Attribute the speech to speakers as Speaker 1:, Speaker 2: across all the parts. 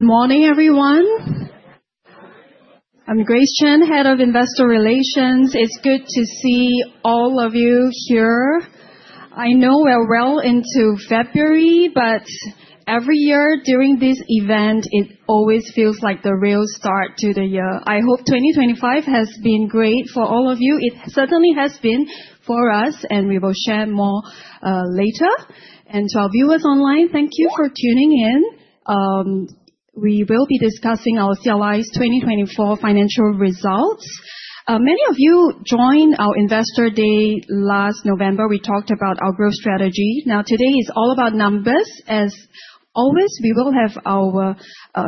Speaker 1: Good morning, everyone. I'm Grace Chen, Head of Investor Relations. It's good to see all of you here. I know we're well into February, but every year during this event, it always feels like the real start to the year. I hope 2025 has been great for all of you. It certainly has been for us, and we will share more later, and to our viewers online, thank you for tuning in. We will be discussing our CLI's 2024 financial results. Many of you joined our Investor Day last November. We talked about our growth strategy. Now, today is all about numbers. As always, we will have our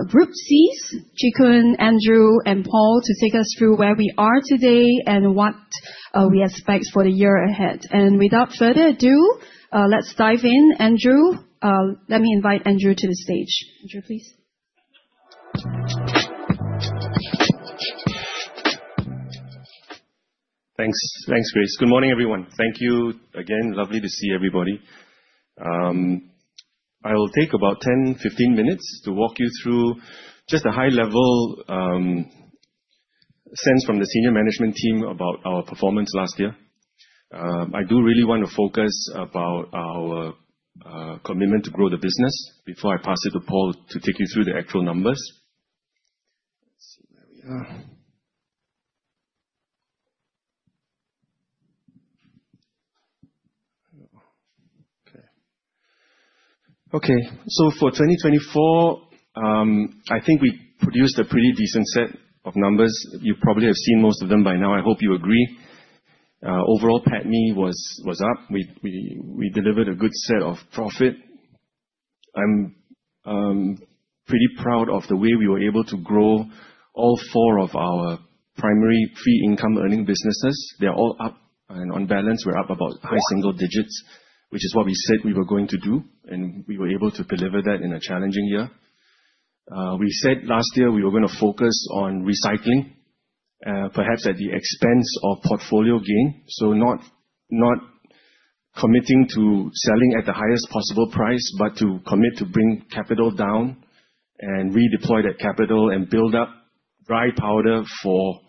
Speaker 1: group CEOs, Chee Koon, Andrew, and Paul, to take us through where we are today and what we expect for the year ahead, and without further ado, let's dive in. Andrew, let me invite Andrew to the stage. Andrew, please.
Speaker 2: Thanks, Grace. Good morning, everyone. Thank you again. Lovely to see everybody. I will take about 10, 15 minutes to walk you through just a high-level sense from the senior management team about our performance last year. I do really want to focus about our commitment to grow the business before I pass it to Paul to take you through the actual numbers. Let's see where we are. Okay. Okay. So for 2024, I think we produced a pretty decent set of numbers. You probably have seen most of them by now. I hope you agree. Overall, PATMI was up. We delivered a good set of profit. I'm pretty proud of the way we were able to grow all four of our primary pre-income earning businesses. They're all up and on balance. We're up about high single digits, which is what we said we were going to do, and we were able to deliver that in a challenging year. We said last year we were going to focus on recycling, perhaps at the expense of portfolio gain. So not committing to selling at the highest possible price, but to commit to bring capital down and redeploy that capital and build up dry powder for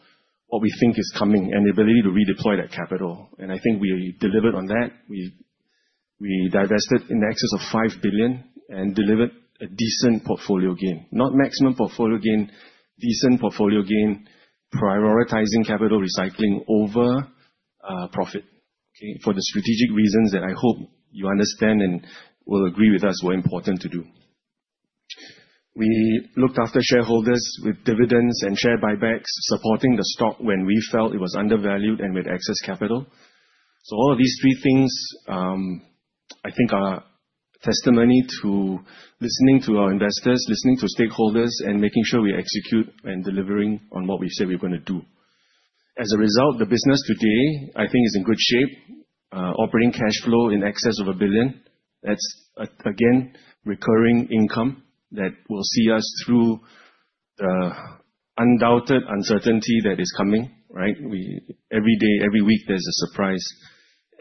Speaker 2: what we think is coming and the ability to redeploy that capital. And I think we delivered on that. We divested in the excess of $5 billion and delivered a decent portfolio gain. Not maximum portfolio gain, decent portfolio gain, prioritizing capital recycling over profit for the strategic reasons that I hope you understand and will agree with us were important to do. We looked after shareholders with dividends and share buybacks, supporting the stock when we felt it was undervalued and with excess capital, so all of these three things, I think, are testimony to listening to our investors, listening to stakeholders, and making sure we execute and deliver on what we've said we're going to do. As a result, the business today, I think, is in good shape, operating cash flow in excess of 1 billion. That's, again, recurring income that will see us through the undoubted uncertainty that is coming. Every day, every week, there's a surprise,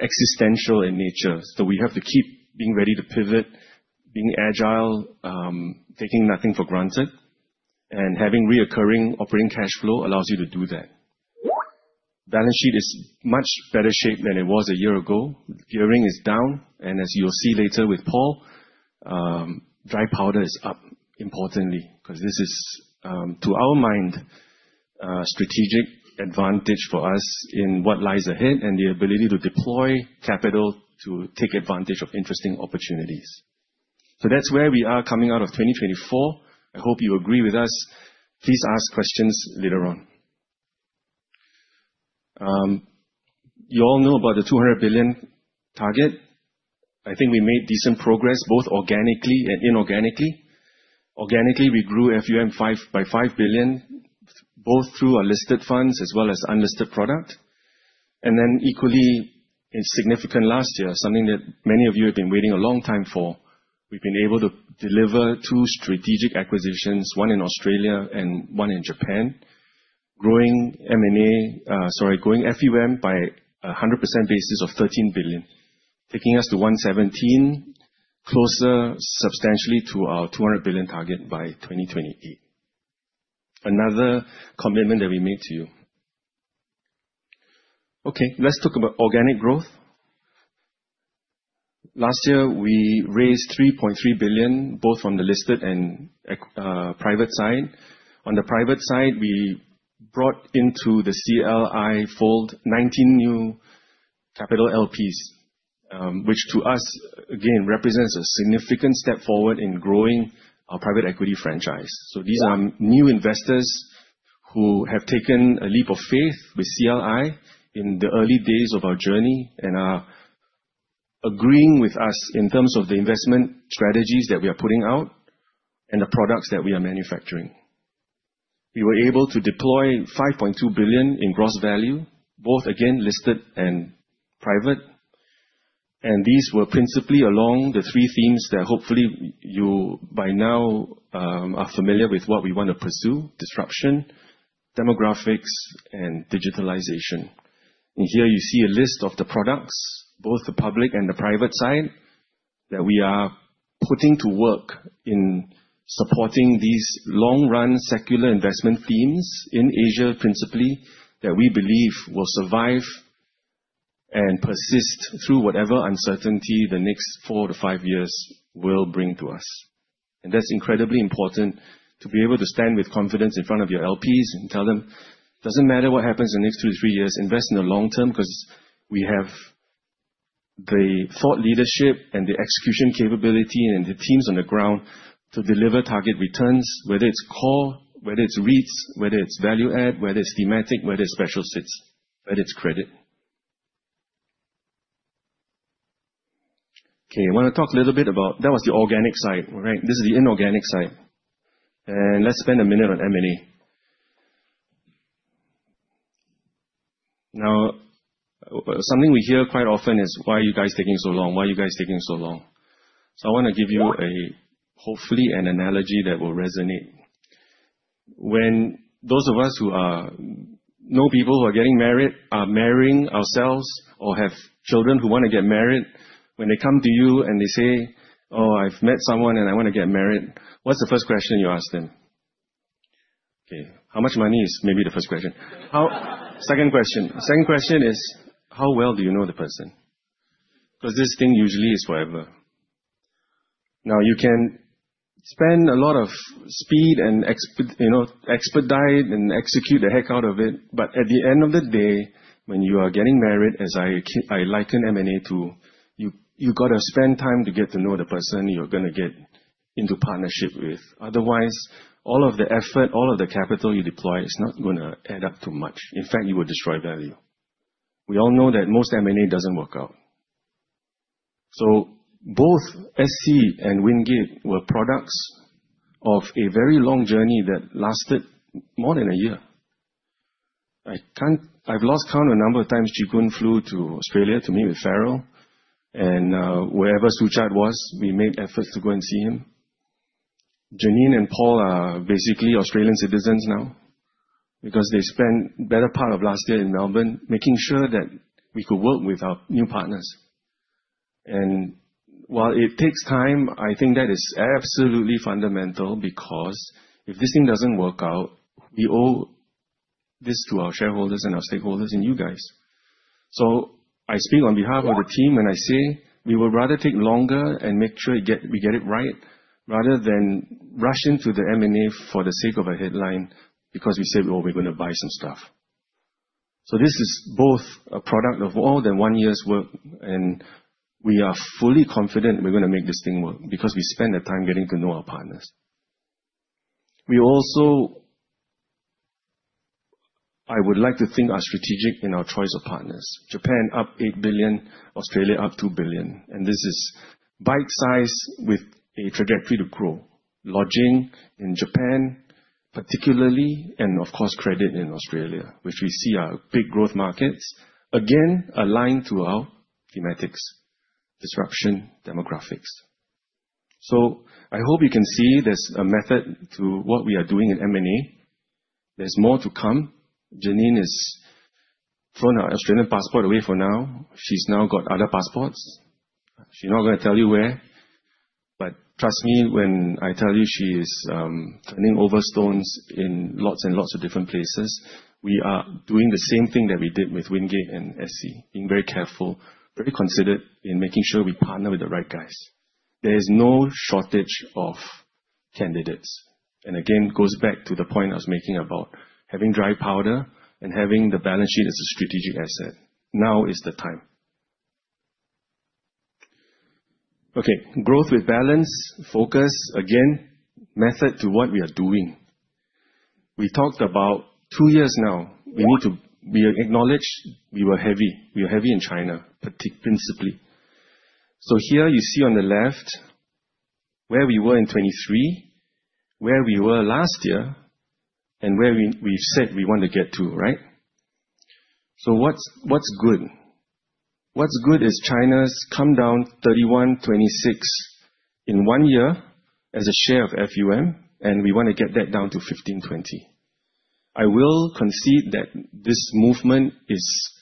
Speaker 2: existential in nature, so we have to keep being ready to pivot, being agile, taking nothing for granted, and having recurring operating cash flow allows you to do that. Balance sheet is much better shaped than it was a year ago. Gearing is down. And as you'll see later with Paul, dry powder is up importantly because this is, to our mind, a strategic advantage for us in what lies ahead and the ability to deploy capital to take advantage of interesting opportunities. So that's where we are coming out of 2024. I hope you agree with us. Please ask questions later on. You all know about the $200 billion target. I think we made decent progress both organically and inorganically. Organically, we grew FUM by $5 billion, both through our listed funds as well as unlisted product. And then equally, it's significant last year, something that many of you have been waiting a long time for. We've been able to deliver two strategic acquisitions, one in Australia and one in Japan, growing FUM by a 100% basis of 13 billion, taking us to 117 billion, closer substantially to our 200 billion target by 2028. Another commitment that we made to you. Okay, let's talk about organic growth. Last year, we raised 3.3 billion, both from the listed and private side. On the private side, we brought into the CLI fold 19 new capital LPs, which to us, again, represents a significant step forward in growing our private equity franchise. So these are new investors who have taken a leap of faith with CLI in the early days of our journey and are agreeing with us in terms of the investment strategies that we are putting out and the products that we are manufacturing. We were able to deploy 5.2 billion in gross value, both, again, listed and private. And these were principally along the three themes that hopefully you by now are familiar with what we want to pursue: disruption, demographics, and digitalization. And here you see a list of the products, both the public and the private side, that we are putting to work in supporting these long-run secular investment themes in Asia principally that we believe will survive and persist through whatever uncertainty the next four to five years will bring to us. That's incredibly important to be able to stand with confidence in front of your LPs and tell them, "Doesn't matter what happens in the next two to three years, invest in the long term because we have the thought leadership and the execution capability and the teams on the ground to deliver target returns, whether it's core, whether it's REITs, whether it's value-add, whether it's thematic, whether it's special situations, whether it's credit." Okay, I want to talk a little bit about that. That was the organic side. This is the inorganic side. Let's spend a minute on M&A. Now, something we hear quite often is, "Why are you guys taking so long? Why are you guys taking so long?" So I want to give you hopefully an analogy that will resonate. When those of us who are new people who are getting married are marrying ourselves or have children who want to get married, when they come to you and they say, "Oh, I've met someone and I want to get married," what's the first question you ask them? Okay, how much money is maybe the first question. Second question. Second question is, how well do you know the person? Because this thing usually is forever. Now, you can spend a lot of speed and expedite and execute the heck out of it, but at the end of the day, when you are getting married, as I liken M&A to, you got to spend time to get to know the person you're going to get into partnership with. Otherwise, all of the effort, all of the capital you deploy is not going to add up to much. In fact, you will destroy value. We all know that most M&A doesn't work out. So both SC and Wingate were products of a very long journey that lasted more than a year. I've lost count of the number of times Chee Koon flew to Australia to meet with Farrel. And wherever Suchad was, we made efforts to go and see him. Janine and Paul are basically Australian citizens now because they spent the better part of last year in Melbourne making sure that we could work with our new partners. And while it takes time, I think that is absolutely fundamental because if this thing doesn't work out, we owe this to our shareholders and our stakeholders and you guys. So I speak on behalf of the team when I say we would rather take longer and make sure we get it right rather than rush into the M&A for the sake of a headline because we say, "We're going to buy some stuff." So this is both a product of more than one year's work, and we are fully confident we're going to make this thing work because we spent the time getting to know our partners. We also, I would like to think, are strategic in our choice of partners. Japan up $8 billion, Australia up $2 billion. And this is bite-sized with a trajectory to grow: lodging in Japan, particularly, and of course, credit in Australia, which we see are big growth markets, again, aligned to our thematics, disruption, demographics. So I hope you can see there's a method to what we are doing in M&A. There's more to come. Janine has thrown her Australian passport away for now. She's now got other passports. She's not going to tell you where. But trust me, when I tell you she is turning over stones in lots and lots of different places, we are doing the same thing that we did with Wingate and SC, being very careful, very considered in making sure we partner with the right guys. There is no shortage of candidates. And again, it goes back to the point I was making about having dry powder and having the balance sheet as a strategic asset. Now is the time. Okay, growth with balance, focus, again, method to what we are doing. We talked about two years now. We acknowledge we were heavy. We were heavy in China, principally. So here you see on the left where we were in 2023, where we were last year, and where we've said we want to get to. So what's good? What's good is China's come down 31.26% in one year as a share of FUM, and we want to get that down to 15.20%. I will concede that this movement is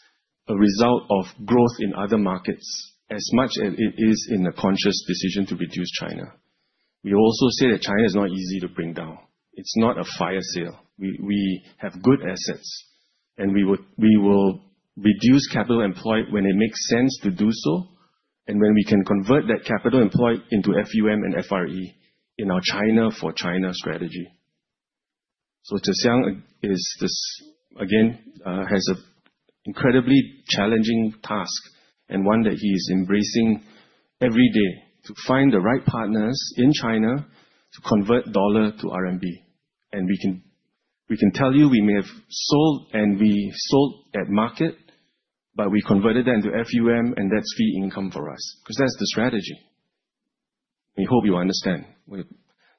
Speaker 2: a result of growth in other markets as much as it is in a conscious decision to reduce China. We also say that China is not easy to bring down. It's not a fire sale. We have good assets, and we will reduce capital employed when it makes sense to do so and when we can convert that capital employed into FUM and FRE in our China for China strategy. Zhe Xiang is, again, has an incredibly challenging task and one that he is embracing every day to find the right partners in China to convert dollar to RMB. We can tell you we may have sold, and we sold at market, but we converted that into FUM, and that's fee income for us because that's the strategy. We hope you understand.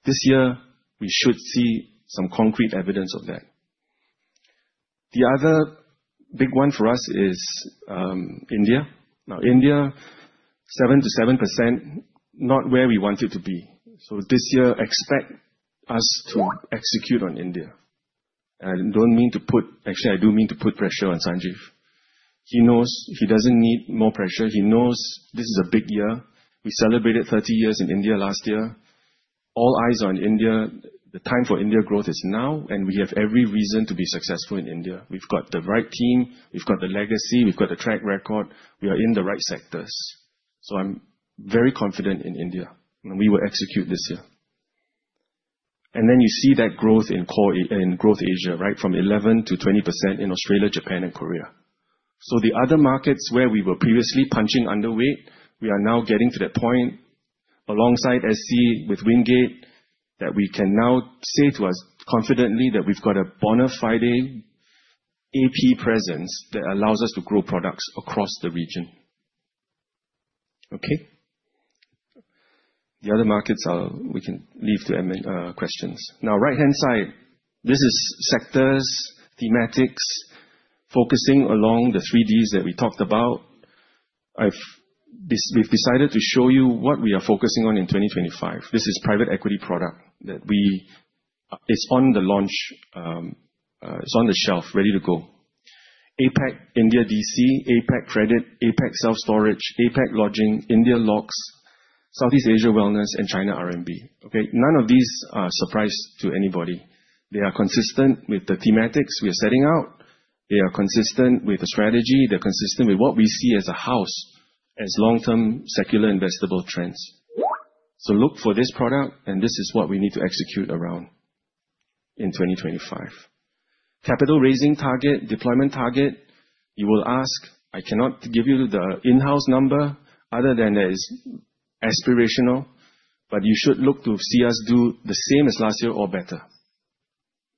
Speaker 2: This year, we should see some concrete evidence of that. The other big one for us is India. Now, India, 7%-7%, not where we want it to be. This year, expect us to execute on India. I don't mean to put, actually, I do mean to put pressure on Sanjeev. He knows he doesn't need more pressure. He knows this is a big year. We celebrated 30 years in India last year. All eyes are on India. The time for India growth is now, and we have every reason to be successful in India. We've got the right team. We've got the legacy. We've got the track record. We are in the right sectors. So I'm very confident in India, and we will execute this year. And then you see that growth in Greater Asia, from 11%-20% in Australia, Japan, and Korea. So the other markets where we were previously punching underweight, we are now getting to that point alongside SC with Wingate that we can now say to us confidently that we've got a bona fide AP presence that allows us to grow products across the region. Okay, the other markets we can leave to questions. Now, right-hand side, this is sectors, thematics, focusing along the three Ds that we talked about. We've decided to show you what we are focusing on in 2025. This is a private equity product that is on the launch. It's on the shelf, ready to go. APAC, India DC, APAC credit, APAC self-storage, APAC lodging, India logistics, Southeast Asia wellness, and China RMB. None of these are a surprise to anybody. They are consistent with the thematics we are setting out. They are consistent with the strategy. They're consistent with what we see as our house view as long-term secular investable trends. So look for this product, and this is what we need to execute around in 2025. Capital raising target, deployment target. You will ask. I cannot give you the in-house number other than that it's aspirational, but you should look to see us do the same as last year or better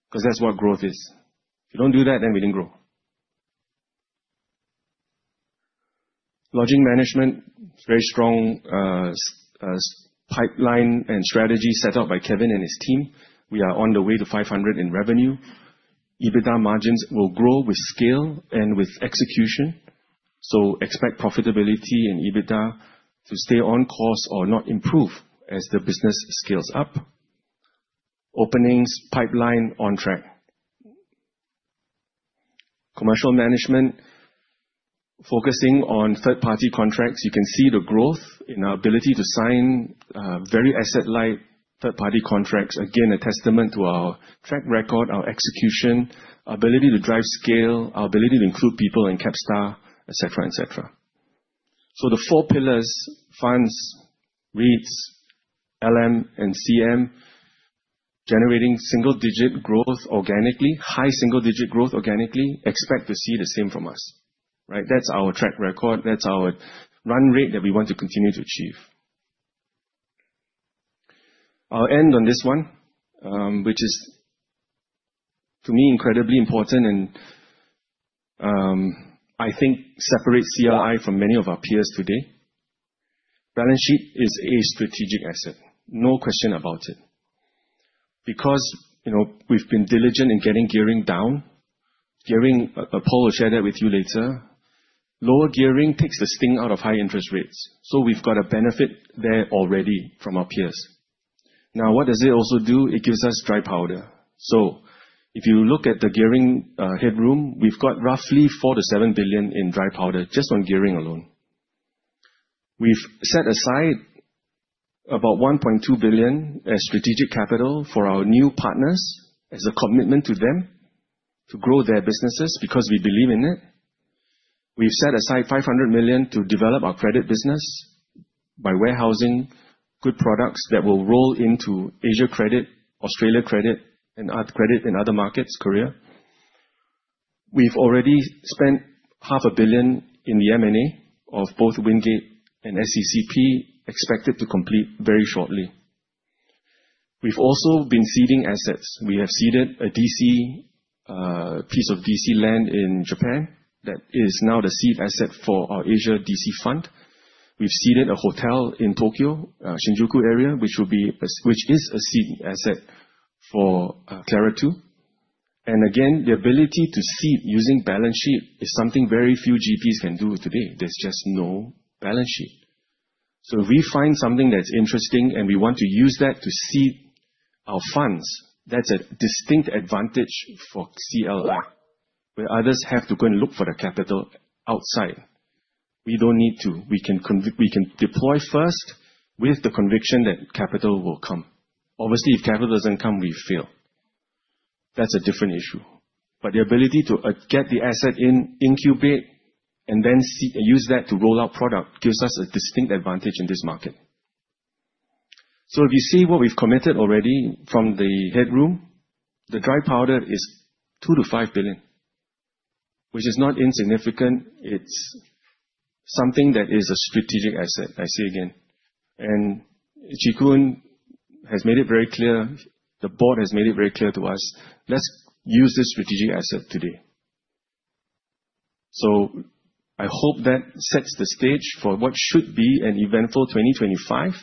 Speaker 2: because that's what growth is. If you don't do that, then we didn't grow. Lodging management, very strong pipeline and strategy set up by Kevin and his team. We are on the way to 500 in revenue. EBITDA margins will grow with scale and with execution. So expect profitability in EBITDA to stay on course or not improve as the business scales up. Openings, pipeline on track. Commercial management, focusing on third-party contracts. You can see the growth in our ability to sign very asset-light third-party contracts. Again, a testament to our track record, our execution, our ability to drive scale, our ability to include people in CapitaStar, etc., etc. So the four pillars: funds, REITs, LM, and CM, generating single-digit growth organically, high single-digit growth organically. Expect to see the same from us. That's our track record. That's our run rate that we want to continue to achieve. I'll end on this one, which is, to me, incredibly important and I think separates CLI from many of our peers today. Balance sheet is a strategic asset. No question about it. Because we've been diligent in getting gearing down, Paul will share that with you later. Lower gearing takes the sting out of high interest rates. So we've got a benefit there already from our peers. Now, what does it also do? It gives us dry powder. So if you look at the gearing headroom, we've got roughly $4 billion-$7 billion in dry powder just on gearing alone. We've set aside about $1.2 billion as strategic capital for our new partners as a commitment to them to grow their businesses because we believe in it. We've set aside 500 million to develop our credit business by warehousing good products that will roll into Asia Credit, Australia Credit, and credit in other markets, Korea. We've already spent 500 million in the M&A of both Wingate and SC, expected to complete very shortly. We've also been seeding assets. We have seeded a piece of DC land in Japan that is now the seed asset for our Asia DC Fund. We've seeded a hotel in Tokyo, Shinjuku area, which is a seed asset for CLARA II. And again, the ability to seed using balance sheet is something very few GPs can do today. There's just no balance sheet. So if we find something that's interesting and we want to use that to seed our funds, that's a distinct advantage for CLI where others have to go and look for the capital outside. We don't need to. We can deploy first with the conviction that capital will come. Obviously, if capital doesn't come, we fail. That's a different issue. But the ability to get the asset in, incubate, and then use that to roll out product gives us a distinct advantage in this market. So if you see what we've committed already from the headroom, the dry powder is $2 billion-$5 billion, which is not insignificant. It's something that is a strategic asset, I say again. And Chee Koon has made it very clear. The board has made it very clear to us. Let's use this strategic asset today. So I hope that sets the stage for what should be an eventful 2025.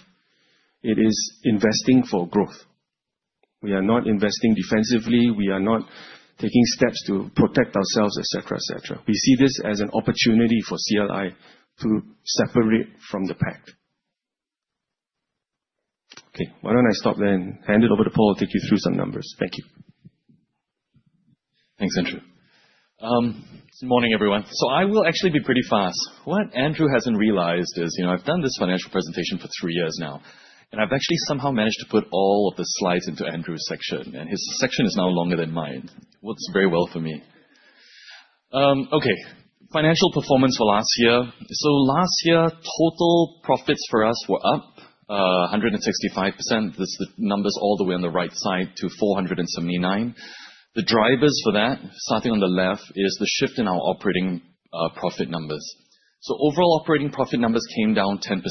Speaker 2: It is investing for growth. We are not investing defensively. We are not taking steps to protect ourselves, etc., etc. We see this as an opportunity for CLI to separate from the pack. Okay, why don't I stop then? Hand it over to Paul. I'll take you through some numbers. Thank you.
Speaker 3: Thanks, Andrew. Good morning, everyone. So I will actually be pretty fast. What Andrew hasn't realized is I've done this financial presentation for three years now, and I've actually somehow managed to put all of the slides into Andrew's section, and his section is now longer than mine, which works very well for me. Okay, financial performance for last year. So last year, total profits for us were up 165%. This is the numbers all the way on the right side to $479. The drivers for that, starting on the left, is the shift in our operating profit numbers. So overall operating profit numbers came down 10%.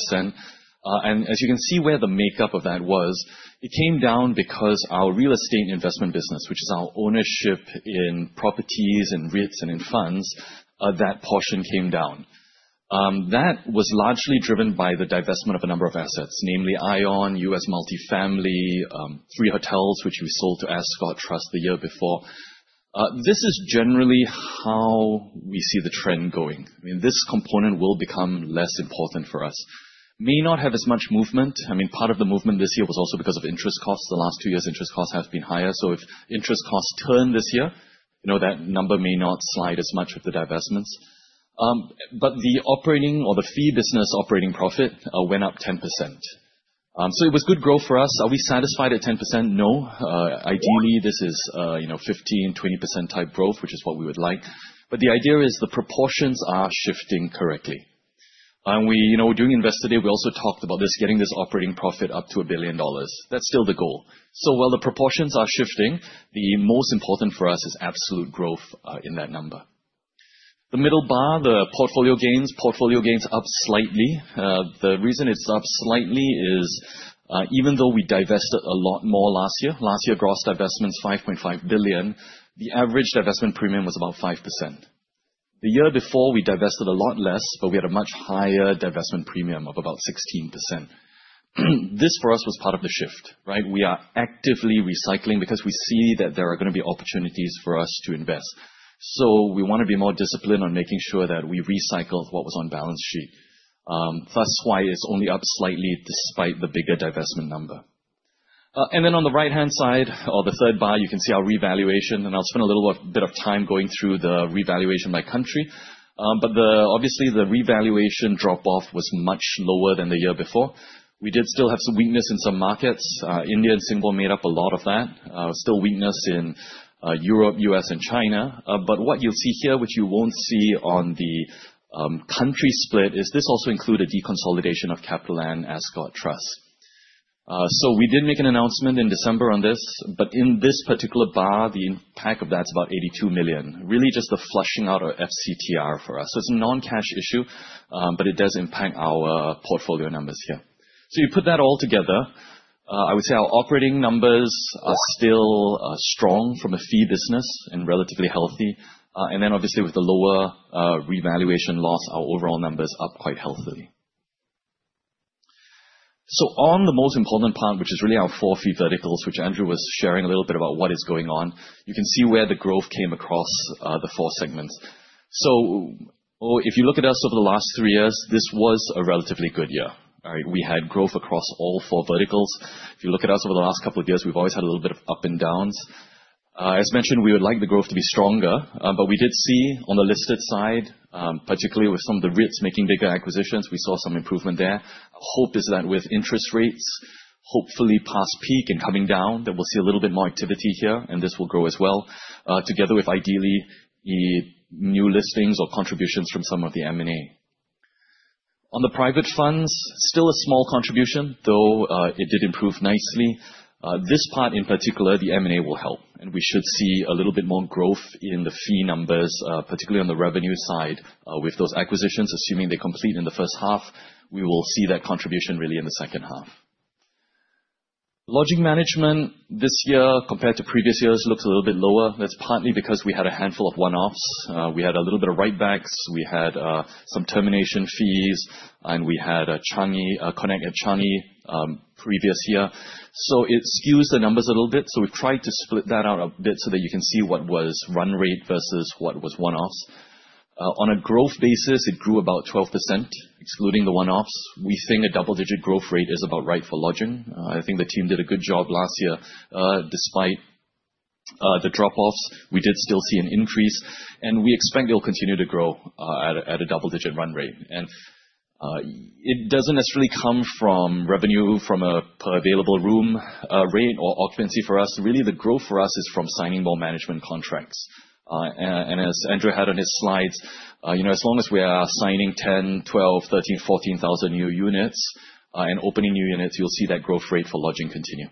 Speaker 3: As you can see where the makeup of that was, it came down because our real estate investment business, which is our ownership in properties and REITs and in funds, that portion came down. That was largely driven by the divestment of a number of assets, namely ION, U.S. Multifamily, three hotels, which we sold to Ascott Trust the year before. This is generally how we see the trend going. This component will become less important for us. May not have as much movement. I mean, part of the movement this year was also because of interest costs. The last two years, interest costs have been higher. If interest costs turn this year, that number may not slide as much with the divestments. The operating or the fee business operating profit went up 10%. It was good growth for us. Are we satisfied at 10%? No. Ideally, this is 15%-20% type growth, which is what we would like. But the idea is the proportions are shifting correctly. And we're doing invest today. We also talked about this, getting this operating profit up to $1 billion. That's still the goal. So while the proportions are shifting, the most important for us is absolute growth in that number. The middle bar, the portfolio gains, portfolio gains up slightly. The reason it's up slightly is even though we divested a lot more last year, last year gross divestments $5.5 billion, the average divestment premium was about 5%. The year before, we divested a lot less, but we had a much higher divestment premium of about 16%. This, for us, was part of the shift. We are actively recycling because we see that there are going to be opportunities for us to invest. So we want to be more disciplined on making sure that we recycle what was on balance sheet. That's why it's only up slightly despite the bigger divestment number. And then on the right-hand side, or the third bar, you can see our revaluation. And I'll spend a little bit of time going through the revaluation by country. But obviously, the revaluation drop-off was much lower than the year before. We did still have some weakness in some markets. India and Singapore made up a lot of that. Still weakness in Europe, U.S., and China. But what you'll see here, which you won't see on the country split, is this also included deconsolidation of CapitaLand and Ascott Trust. So we did make an announcement in December on this, but in this particular bar, the impact of that's about $82 million, really just the flushing out of FCTR for us. It's a non-cash issue, but it does impact our portfolio numbers here. You put that all together. I would say our operating numbers are still strong from a fee business and relatively healthy. Then obviously, with the lower revaluation loss, our overall numbers are up quite healthily. On the most important part, which is really our four fee verticals, which Andrew was sharing a little bit about what is going on, you can see where the growth came across the four segments. If you look at us over the last three years, this was a relatively good year. We had growth across all four verticals. If you look at us over the last couple of years, we've always had a little bit of ups and downs. As mentioned, we would like the growth to be stronger, but we did see on the listed side, particularly with some of the REITs making bigger acquisitions, we saw some improvement there. Our hope is that with interest rates, hopefully past peak and coming down, that we'll see a little bit more activity here, and this will grow as well, together with ideally new listings or contributions from some of the M&A. On the private funds, still a small contribution, though it did improve nicely. This part in particular, the M&A will help, and we should see a little bit more growth in the fee numbers, particularly on the revenue side. With those acquisitions, assuming they complete in the first half, we will see that contribution really in the second half. Lodging management this year, compared to previous years, looks a little bit lower. That's partly because we had a handful of one-offs. We had a little bit of write-backs. We had some termination fees, and we had a Changi, a Connect@Changi previous year. So it skews the numbers a little bit. So we've tried to split that out a bit so that you can see what was run rate versus what was one-offs. On a growth basis, it grew about 12%, excluding the one-offs. We think a double-digit growth rate is about right for lodging. I think the team did a good job last year. Despite the drop-offs, we did still see an increase, and we expect it will continue to grow at a double-digit run rate. And it doesn't necessarily come from revenue from a per available room rate or occupancy for us. Really, the growth for us is from signing more management contracts. As Andrew had on his slides, as long as we are signing 10, 12, 13, 14,000 new units and opening new units, you'll see that growth rate for lodging continue.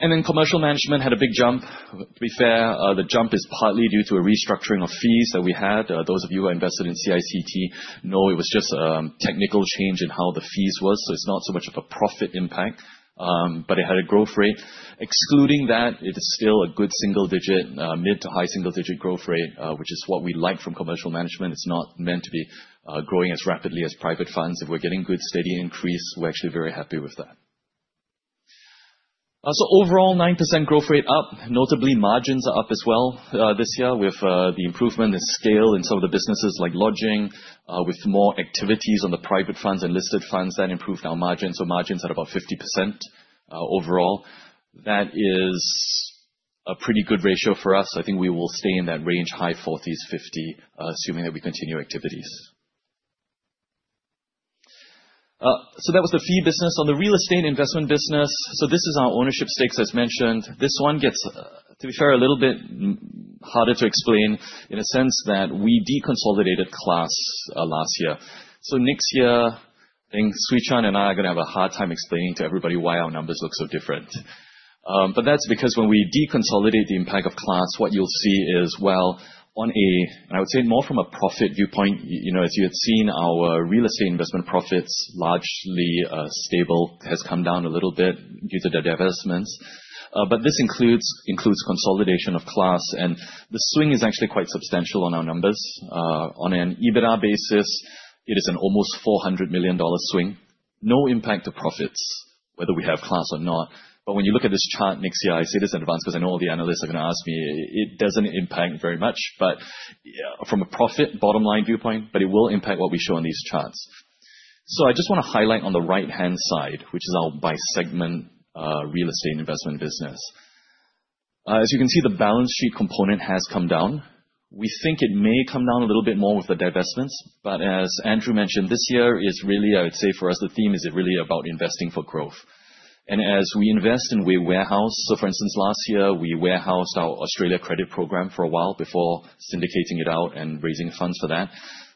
Speaker 3: And then commercial management had a big jump. To be fair, the jump is partly due to a restructuring of fees that we had. Those of you who are invested in CICT know it was just a technical change in how the fees were. So it's not so much of a profit impact, but it had a growth rate. Excluding that, it is still a good single-digit, mid- to high-single-digit growth rate, which is what we like from commercial management. It's not meant to be growing as rapidly as private funds. If we're getting good steady increase, we're actually very happy with that. So overall, 9% growth rate up. Notably, margins are up as well this year with the improvement, the scale in some of the businesses like lodging, with more activities on the private funds and listed funds that improved our margins. So margins at about 50% overall. That is a pretty good ratio for us. I think we will stay in that range, high 40s, 50, assuming that we continue activities. So that was the fee business. On the real estate investment business, so this is our ownership stakes, as mentioned. This one gets, to be fair, a little bit harder to explain in a sense that we deconsolidated CLAS last year. So next year, I think Grace Chan and I are going to have a hard time explaining to everybody why our numbers look so different. But that's because when we deconsolidate the impact of CLAS, what you'll see is, well, on a, and I would say more from a profit viewpoint, as you had seen, our real estate investment profits largely stable has come down a little bit due to the divestments. But this includes consolidation of CLAS, and the swing is actually quite substantial on our numbers. On an EBITDA basis, it is an almost 400 million dollar swing. No impact to profits, whether we have CLAS or not. But when you look at this chart next year, I say this in advance because I know all the analysts are going to ask me, it doesn't impact very much, but from a profit bottom line viewpoint, but it will impact what we show on these charts. So I just want to highlight on the right-hand side, which is our bi-segment real estate investment business. As you can see, the balance sheet component has come down. We think it may come down a little bit more with the divestments, but as Andrew mentioned, this year is really, I would say for us, the theme is really about investing for growth, and as we invest and we warehouse, so for instance, last year, we warehoused our Australia credit program for a while before syndicating it out and raising funds for that.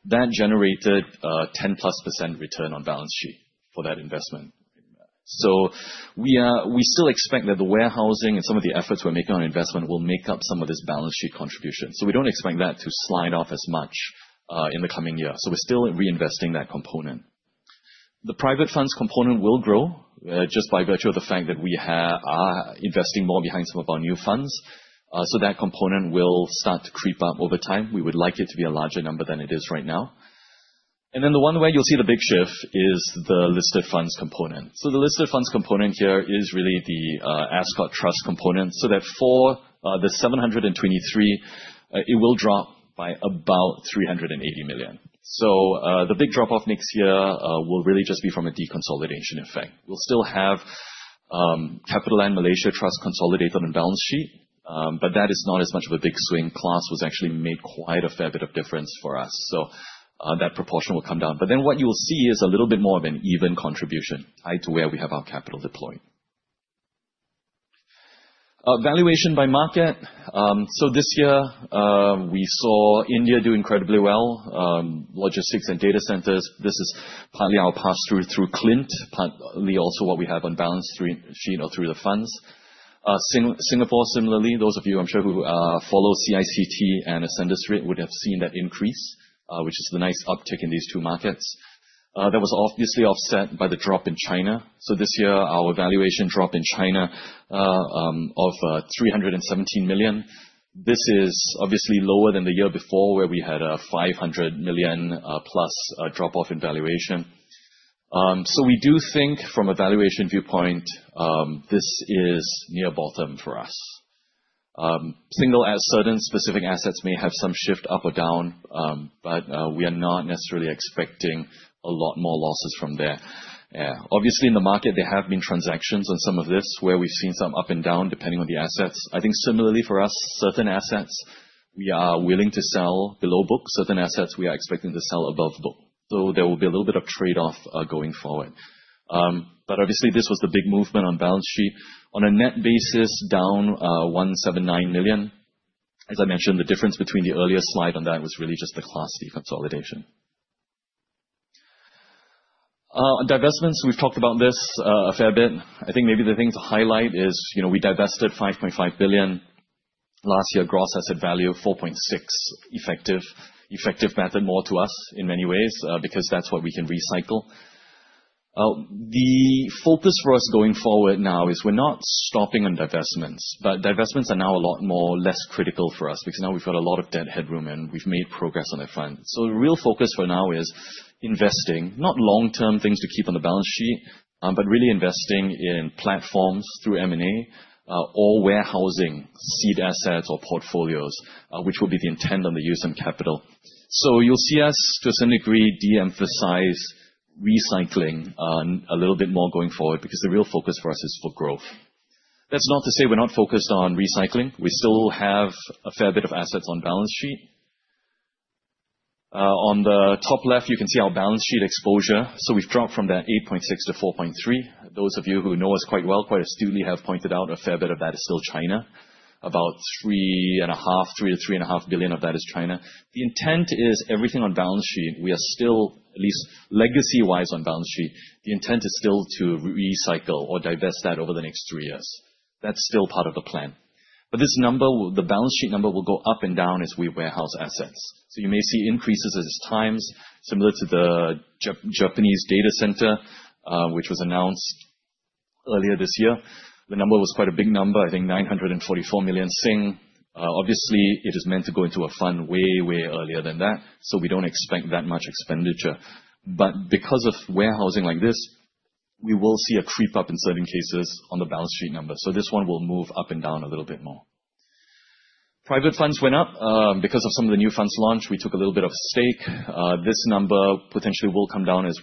Speaker 3: That generated a 10% plus return on balance sheet for that investment. So we still expect that the warehousing and some of the efforts we're making on investment will make up some of this balance sheet contribution. So we don't expect that to slide off as much in the coming year. So we're still reinvesting that component. The private funds component will grow just by virtue of the fact that we are investing more behind some of our new funds. So that component will start to creep up over time. We would like it to be a larger number than it is right now. And then the one where you'll see the big shift is the listed funds component. So the listed funds component here is really the Ascott Trust component. So that for the 723, it will drop by about 380 million. So the big drop-off next year will really just be from a deconsolidation effect. We'll still have CapitaLand Malaysia Trust consolidated on balance sheet, but that is not as much of a big swing. CLAS was actually made quite a fair bit of difference for us. So that proportion will come down. But then what you'll see is a little bit more of an even contribution tied to where we have our capital deployed. Valuation by market. So this year, we saw India do incredibly well, logistics and data centers. This is partly our pass-through through CLINT, partly also what we have on balance sheet or through the funds. Singapore, similarly, those of you I'm sure who follow CICT and Ascendas REIT would have seen that increase, which is the nice uptick in these two markets. That was obviously offset by the drop in China. So this year, our valuation drop in China of 317 million. This is obviously lower than the year before where we had a 500 million plus drop-off in valuation. So we do think from a valuation viewpoint, this is near bottom for us. Similarly, as certain specific assets may have some shift up or down, but we are not necessarily expecting a lot more losses from there. Obviously, in the market, there have been transactions on some of this where we've seen some up and down depending on the assets. I think similarly for us, certain assets we are willing to sell below book. Certain assets we are expecting to sell above book. So there will be a little bit of trade-off going forward. But obviously, this was the big movement on balance sheet. On a net basis, down 179 million. As I mentioned, the difference between the earlier slide on that was really just the Class deconsolidation. On divestments, we've talked about this a fair bit. I think maybe the thing to highlight is we divested 5.5 billion last year, gross asset value of 4.6 billion. Effective method more to us in many ways because that's what we can recycle. The focus for us going forward now is we're not stopping on divestments, but divestments are now a lot more less critical for us because now we've got a lot of headroom and we've made progress on the front. So the real focus for now is investing, not long-term things to keep on the balance sheet, but really investing in platforms through M&A or warehousing seed assets or portfolios, which will be the intent on the unused capital. So you'll see us to a certain degree de-emphasize recycling a little bit more going forward because the real focus for us is for growth. That's not to say we're not focused on recycling. We still have a fair bit of assets on balance sheet. On the top left, you can see our balance sheet exposure. dropped from that 8.6 billion-4.3 billion. Those of you who know us quite well, quite astutely have pointed out a fair bit of that is still China. About 3 billion-SGD3.5 billion of that is China. The intent is everything on balance sheet, we are still, at least legacy-wise on balance sheet, the intent is still to recycle or divest that over the next three years. That's still part of the plan. But this number, the balance sheet number will go up and down as we warehouse assets. So you may see increases at times similar to the Japanese data center, which was announced earlier this year. The number was quite a big number, I think 944 million. Obviously, it is meant to go into a fund way earlier than that. So we don't expect that much expenditure. But because of warehousing like this, we will see a creep up in certain cases on the balance sheet number. So this one will move up and down a little bit more. Private funds went up because of some of the new funds launch. We took a little bit of a stake. This number potentially will come down as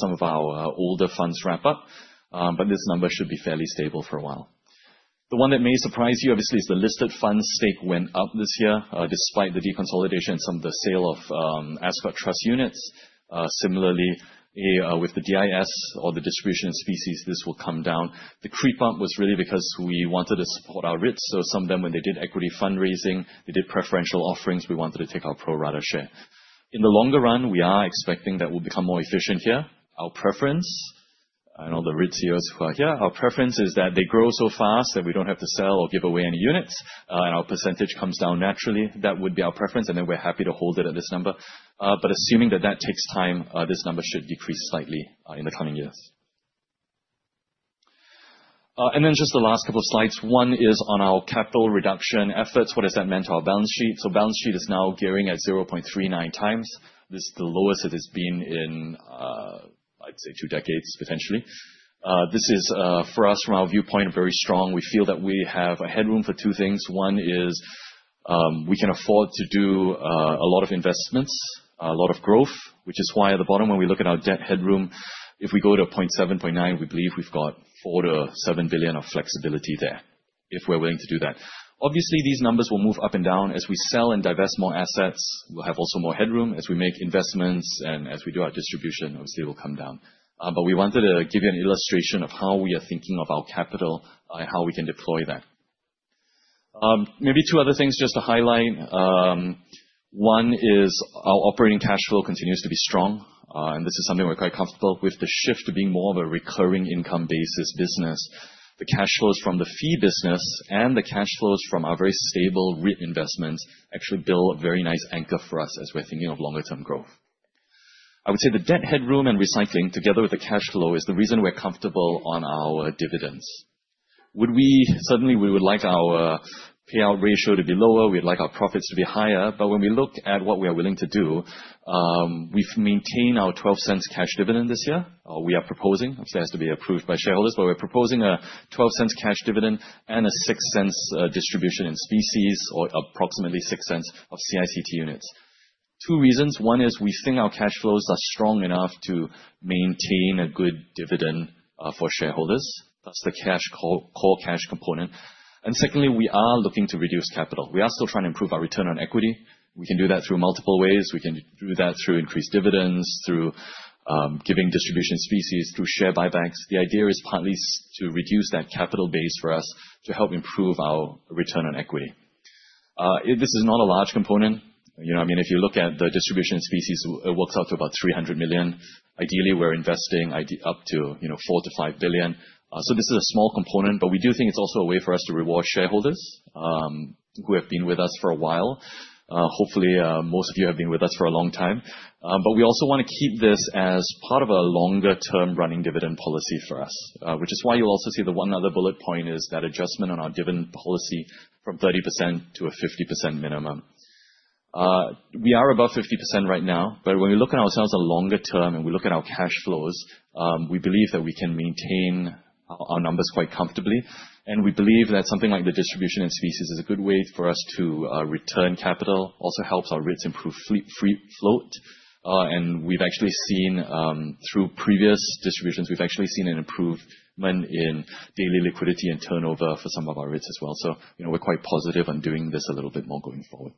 Speaker 3: some of our older funds wrap up, but this number should be fairly stable for a while. The one that may surprise you, obviously, is the listed funds stake went up this year despite the deconsolidation and some of the sale of Ascott Trust units. Similarly, with the DIS or the distribution in specie, this will come down. The creep up was really because we wanted to support our REITs. So some of them, when they did equity fundraising, they did preferential offerings. We wanted to take our pro rata share. In the longer run, we are expecting that we'll become more efficient here. Our preference, I know the REITs here who are here, our preference is that they grow so fast that we don't have to sell or give away any units, and our percentage comes down naturally. That would be our preference, and then we're happy to hold it at this number. But assuming that that takes time, this number should decrease slightly in the coming years. And then just the last couple of slides. One is on our capital reduction efforts. What has that meant to our balance sheet? So balance sheet is now gearing at 0.39 times. This is the lowest it has been in, I'd say, two decades potentially. This is, for us, from our viewpoint, very strong. We feel that we have a headroom for two things. One is we can afford to do a lot of investments, a lot of growth, which is why at the bottom, when we look at our debt headroom, if we go to 0.7, 0.9, we believe we've got 4 billion-7 billion of flexibility there if we're willing to do that. Obviously, these numbers will move up and down. As we sell and divest more assets, we'll have also more headroom. As we make investments and as we do our distribution, obviously, it will come down. But we wanted to give you an illustration of how we are thinking of our capital and how we can deploy that. Maybe two other things just to highlight. One is our operating cash flow continues to be strong, and this is something we're quite comfortable with, the shift to being more of a recurring income basis business. The cash flows from the fee business and the cash flows from our very stable REIT investments actually build a very nice anchor for us as we're thinking of longer-term growth. I would say the debt headroom and recycling together with the cash flow is the reason we're comfortable on our dividends. Certainly, we would like our payout ratio to be lower. We'd like our profits to be higher. But when we look at what we are willing to do, we've maintained our 0.12 cash dividend this year. We are proposing, obviously, it has to be approved by shareholders, but we're proposing a 0.12 cash dividend and a 0.06 distribution in specie or approximately 0.06 of CICT units. Two reasons. One is we think our cash flows are strong enough to maintain a good dividend for shareholders. That's the cash core cash component. Secondly, we are looking to reduce capital. We are still trying to improve our return on equity. We can do that through multiple ways. We can do that through increased dividends, through giving distribution in specie, through share buybacks. The idea is partly to reduce that capital base for us to help improve our return on equity. This is not a large component. I mean, if you look at the distribution in specie, it works out to about 300 million. Ideally, we're investing up to 4 billion-5 billion. This is a small component, but we do think it's also a way for us to reward shareholders who have been with us for a while. Hopefully, most of you have been with us for a long time. But we also want to keep this as part of a longer-term running dividend policy for us, which is why you'll also see the one other bullet point is that adjustment on our dividend policy from 30%-50% minimum. We are above 50% right now, but when we look at ourselves in the longer term and we look at our cash flows, we believe that we can maintain our numbers quite comfortably, and we believe that something like the distribution in specie is a good way for us to return capital. It also helps our REITs improve free float. And we've actually seen through previous distributions, we've actually seen an improvement in daily liquidity and turnover for some of our REITs as well. So we're quite positive on doing this a little bit more going forward,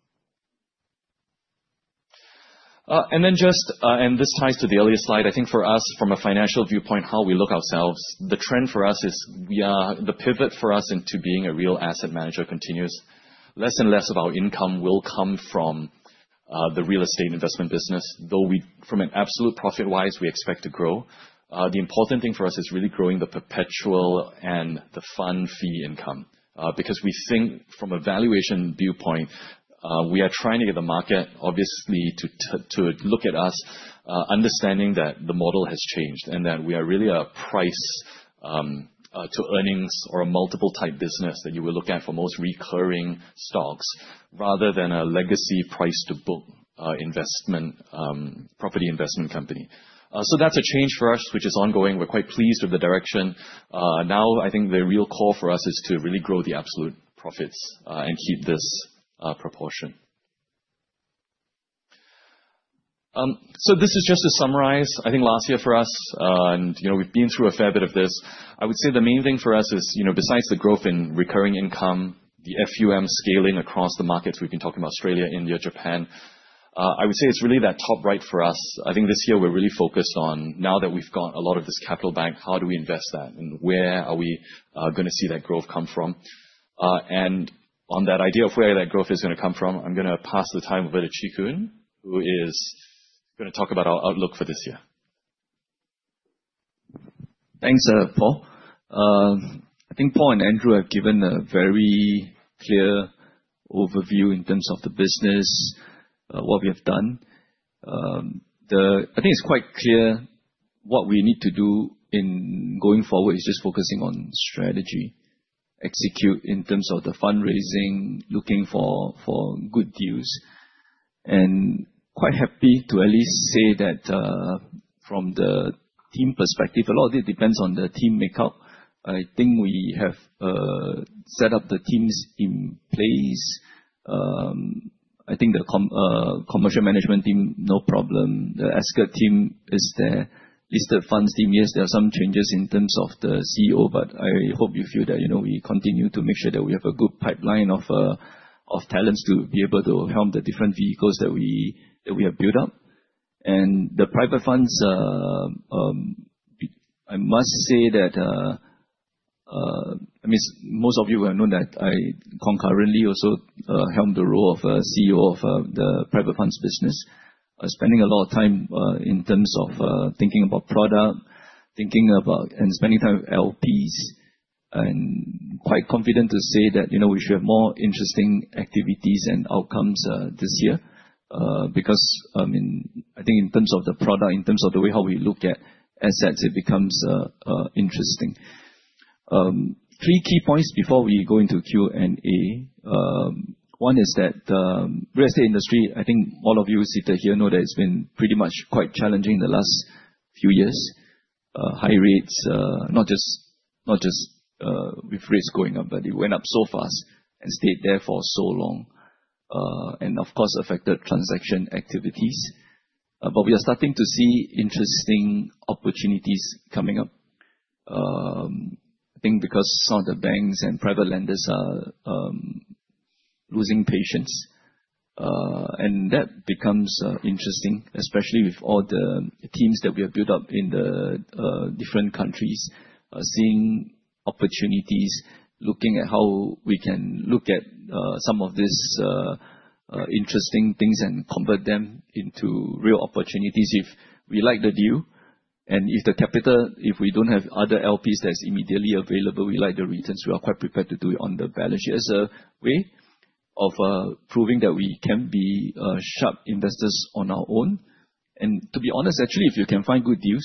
Speaker 3: and this ties to the earlier slide. I think for us, from a financial viewpoint, how we look at ourselves, the trend for us is the pivot for us into being a real asset manager continues. Less and less of our income will come from the real estate investment business, though from an absolute profit-wise, we expect to grow. The important thing for us is really growing the perpetual and the fund fee income because we think from a valuation viewpoint, we are trying to get the market, obviously, to look at us, understanding that the model has changed and that we are really a price-to-earnings or a multiple-type business that you will look at for most recurring stocks rather than a legacy price-to-book investment property investment company. So that's a change for us, which is ongoing. We're quite pleased with the direction. Now, I think the real core for us is to really grow the absolute profits and keep this proportion. So this is just to summarize. I think last year for us, and we've been through a fair bit of this. I would say the main thing for us is, besides the growth in recurring income, the FUM scaling across the markets we've been talking about, Australia, India, Japan. I would say it's really that top right for us. I think this year we're really focused on, now that we've got a lot of this capital banked, how do we invest that and where are we going to see that growth come from? And on that idea of where that growth is going to come from, I'm going to pass the time over to Chee Koon, who is going to talk about our outlook for this year.
Speaker 4: Thanks, Paul. I think Paul and Andrew have given a very clear overview in terms of the business, what we have done. I think it's quite clear what we need to do going forward is just focusing on strategy, execution in terms of the fundraising, looking for good deals, and quite happy to at least say that from the team perspective, a lot of it depends on the team makeup. I think we have set up the teams in place. I think the commercial management team, no problem. The Ascott team is there. Listed funds team, yes, there are some changes in terms of the CEO, but I hope you feel that we continue to make sure that we have a good pipeline of talents to be able to help the different vehicles that we have built up. And the private funds, I must say that, I mean, most of you will have known that I concurrently also held the role of CEO of the private funds business, spending a lot of time in terms of thinking about product, thinking about and spending time with LPs. And quite confident to say that we should have more interesting activities and outcomes this year because, I mean, I think in terms of the product, in terms of the way how we look at assets, it becomes interesting. Three key points before we go into Q and A. One is that the real estate industry, I think all of you seated here know that it's been pretty much quite challenging in the last few years. High rates, not just with rates going up, but it went up so fast and stayed there for so long. And of course, affected transaction activities. But we are starting to see interesting opportunities coming up, I think, because some of the banks and private lenders are losing patience. And that becomes interesting, especially with all the teams that we have built up in the different countries, seeing opportunities, looking at how we can look at some of these interesting things and convert them into real opportunities if we like the deal. And if the capital, if we don't have other LPs that's immediately available, we like the returns, we are quite prepared to do it on the balance sheet as a way of proving that we can be sharp investors on our own. And to be honest, actually, if you can find good deals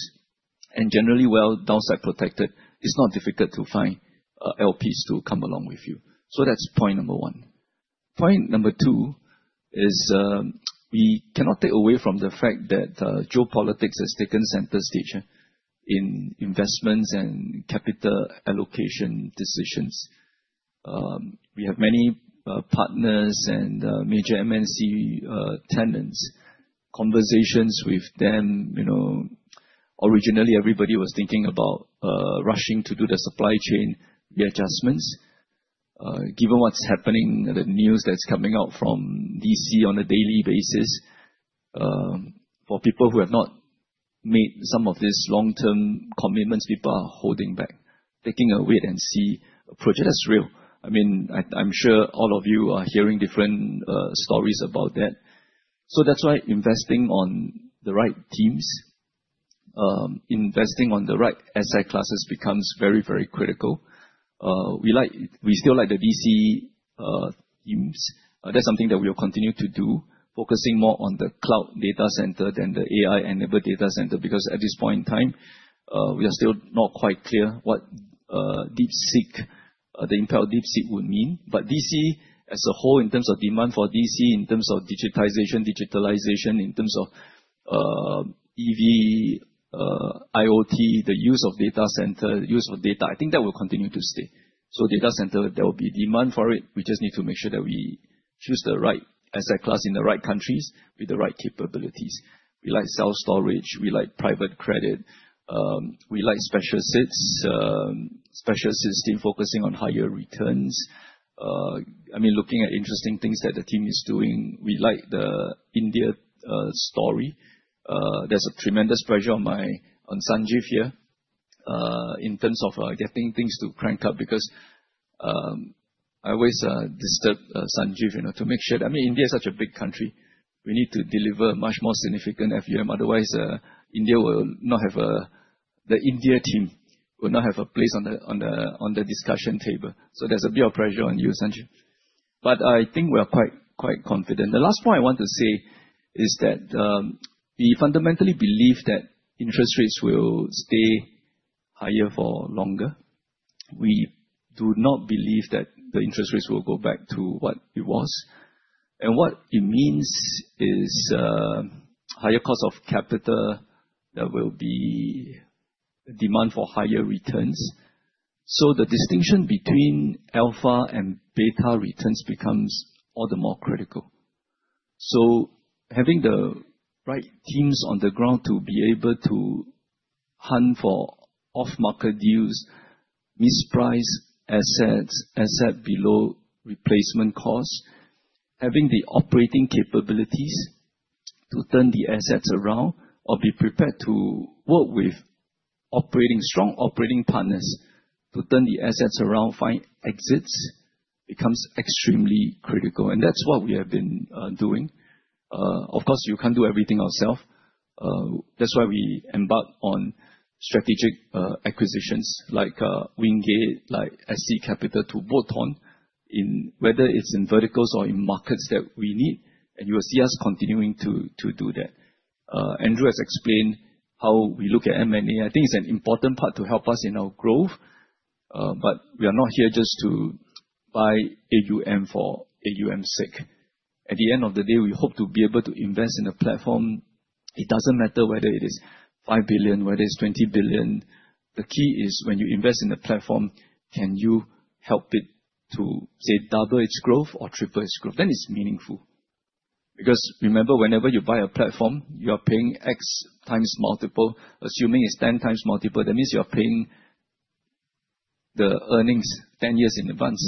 Speaker 4: and generally well downside protected, it's not difficult to find LPs to come along with you. So that's point number one. Point number two is we cannot take away from the fact that geopolitics has taken center stage in investments and capital allocation decisions. We have many partners and major MNC tenants. Conversations with them, originally everybody was thinking about rushing to do the supply chain readjustments. Given what's happening, the news that's coming out from DC on a daily basis, for people who have not made some of these long-term commitments, people are holding back, taking a wait-and-see approach. That's real. I mean, I'm sure all of you are hearing different stories about that. So that's why investing on the right teams, investing on the right asset classes becomes very, very critical. We still like the DC teams. That's something that we will continue to do, focusing more on the cloud data center than the AI-enabled data center because at this point in time, we are still not quite clear what DeepSeek, the impact of DeepSeek would mean. But DC as a whole, in terms of demand for DC, in terms of digitization, digitalization, in terms of EV, IoT, the use of data center, use of data, I think that will continue to stay. So data center, there will be demand for it. We just need to make sure that we choose the right asset class in the right countries with the right capabilities. We like self-storage. We like private credit. We like special situations, special situations team focusing on higher returns. I mean, looking at interesting things that the team is doing. We like the India story. There's a tremendous pressure on me on Sanjeev here in terms of getting things to crank up because I always disturb Sanjeev to make sure that, I mean, India is such a big country. We need to deliver much more significant FUM. Otherwise, the India team will not have a place on the discussion table. So there's a bit of pressure on you, Sanjeev. But I think we are quite confident. The last point I want to say is that we fundamentally believe that interest rates will stay higher for longer. We do not believe that the interest rates will go back to what it was. And what it means is higher cost of capital that will be demand for higher returns. So the distinction between alpha and beta returns becomes all the more critical. Having the right teams on the ground to be able to hunt for off-market deals, mispriced assets, assets below replacement costs, having the operating capabilities to turn the assets around or be prepared to work with strong operating partners to turn the assets around, find exits becomes extremely critical. And that's what we have been doing. Of course, you can't do everything yourself. That's why we embark on strategic acquisitions like Wingate, like SC Capital to bolt on, whether it's in verticals or in markets that we need. And you will see us continuing to do that. Andrew has explained how we look at M&A. I think it's an important part to help us in our growth, but we are not here just to buy AUM for AUM's sake. At the end of the day, we hope to be able to invest in a platform. It doesn't matter whether it is 5 billion, whether it's 20 billion. The key is when you invest in a platform, can you help it to, say, double its growth or triple its growth? Then it's meaningful. Because remember, whenever you buy a platform, you are paying X times multiple, assuming it's 10 times multiple, that means you are paying the earnings 10 years in advance.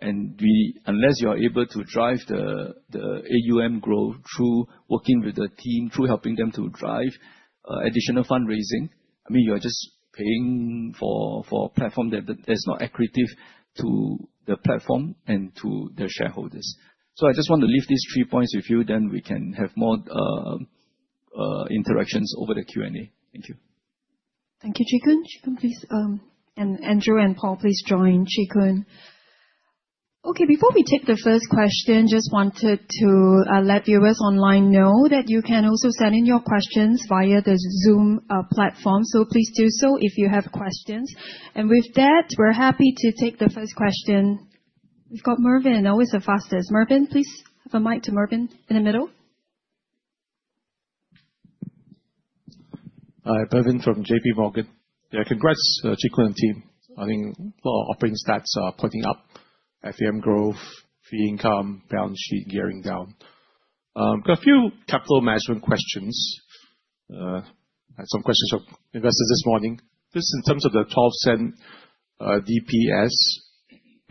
Speaker 4: And unless you are able to drive the AUM growth through working with the team, through helping them to drive additional fundraising, I mean, you are just paying for a platform that is not equitable to the platform and to the shareholders. So I just want to leave these three points with you, then we can have more interactions over the Q&A.
Speaker 1: Thank you. Thank you, Chee Koon. Chee Koon, please. And Andrew and Paul, please join Chee Koon. Okay, before we take the first question, just wanted to let viewers online know that you can also send in your questions via the Zoom platform. So please do so if you have questions. With that, we're happy to take the first question. We've got Mervyn, always the fastest. Mervyn, please have a mic to Mervyn in the middle.
Speaker 5: Hi, Mervyn from JPMorgan. Yeah, congrats Chee Koon and team. I think a lot of operating stats are pointing up. FRE growth, fee income, balance sheet gearing down. Got a few capital management questions. I had some questions from investors this morning. Just in terms of the 0.12 DPS,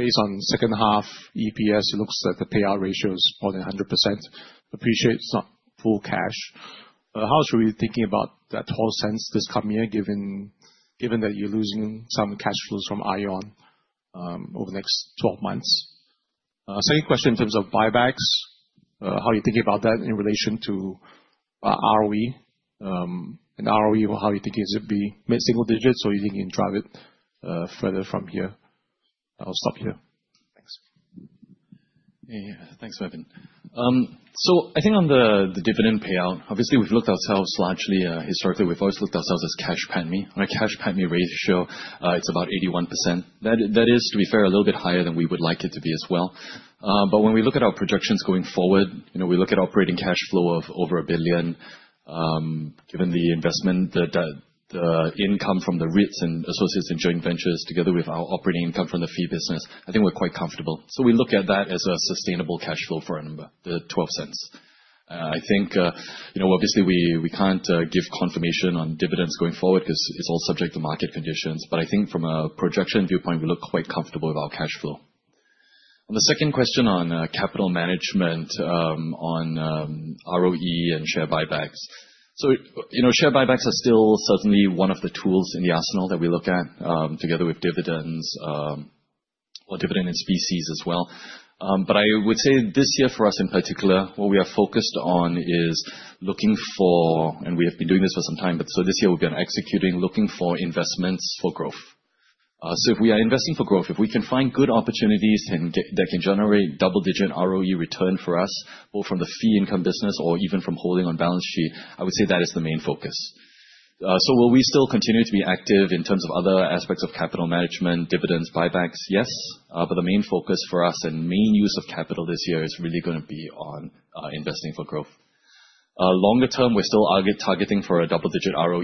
Speaker 5: based on second half EPS, it looks that the payout ratio is more than 100%. Appreciate it's not full cash. How should we be thinking about that SGD 0.12 this coming year given that you're losing some cash flows from ION over the next 12 months? Second question in terms of buybacks, how are you thinking about that in relation to ROE? And ROE, how are you thinking it's going to be mid-single digits or you think you can drive it further from here? I'll stop here.
Speaker 3: Thanks. Thanks, Mervyn. So I think on the dividend payout, obviously we've positioned ourselves largely. Historically, we've always positioned ourselves as cash payout. On a cash payout ratio, it's about 81%. That is, to be fair, a little bit higher than we would like it to be as well. But when we look at our projections going forward, we look at operating cash flow of over 1 billion. Given the investment, the income from the REITs and associates in joint ventures together with our operating income from the fee business, I think we're quite comfortable. So we look at that as a sustainable cash flow for the 0.12. I think, obviously, we can't give confirmation on dividends going forward because it's all subject to market conditions. But I think from a projection viewpoint, we look quite comfortable with our cash flow. On the second question on capital management, on ROE and share buybacks. So share buybacks are still certainly one of the tools in the arsenal that we look at together with dividends or dividend in specie as well. But I would say this year for us in particular, what we are focused on is looking for, and we have been doing this for some time, but so this year we've been executing looking for investments for growth. So if we are investing for growth, if we can find good opportunities that can generate double-digit ROE return for us, both from the fee income business or even from holding on balance sheet, I would say that is the main focus. So will we still continue to be active in terms of other aspects of capital management, dividends, buybacks? Yes. But the main focus for us and main use of capital this year is really going to be on investing for growth. Longer term, we're still targeting for a double-digit ROE.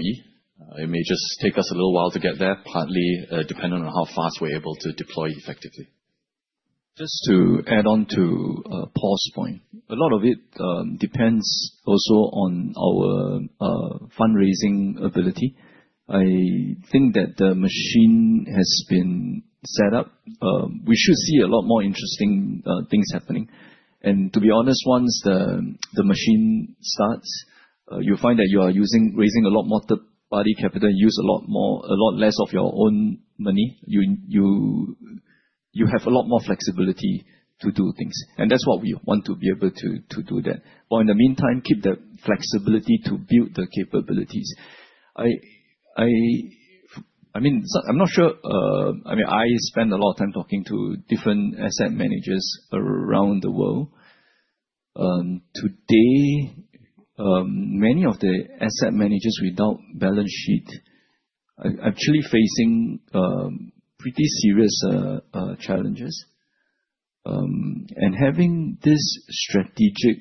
Speaker 3: It may just take us a little while to get there, partly depending on how fast we're able to deploy effectively.
Speaker 4: Just to add on to Paul's point, a lot of it depends also on our fundraising ability. I think that the machine has been set up. We should see a lot more interesting things happening, and to be honest, once the machine starts, you'll find that you are using, raising a lot more third-party capital, use a lot less of your own money. You have a lot more flexibility to do things, and that's what we want to be able to do that. But in the meantime, keep the flexibility to build the capabilities. I mean, I'm not sure. I mean, I spend a lot of time talking to different asset managers around the world. Today, many of the asset managers without balance sheet are actually facing pretty serious challenges. And having this strategic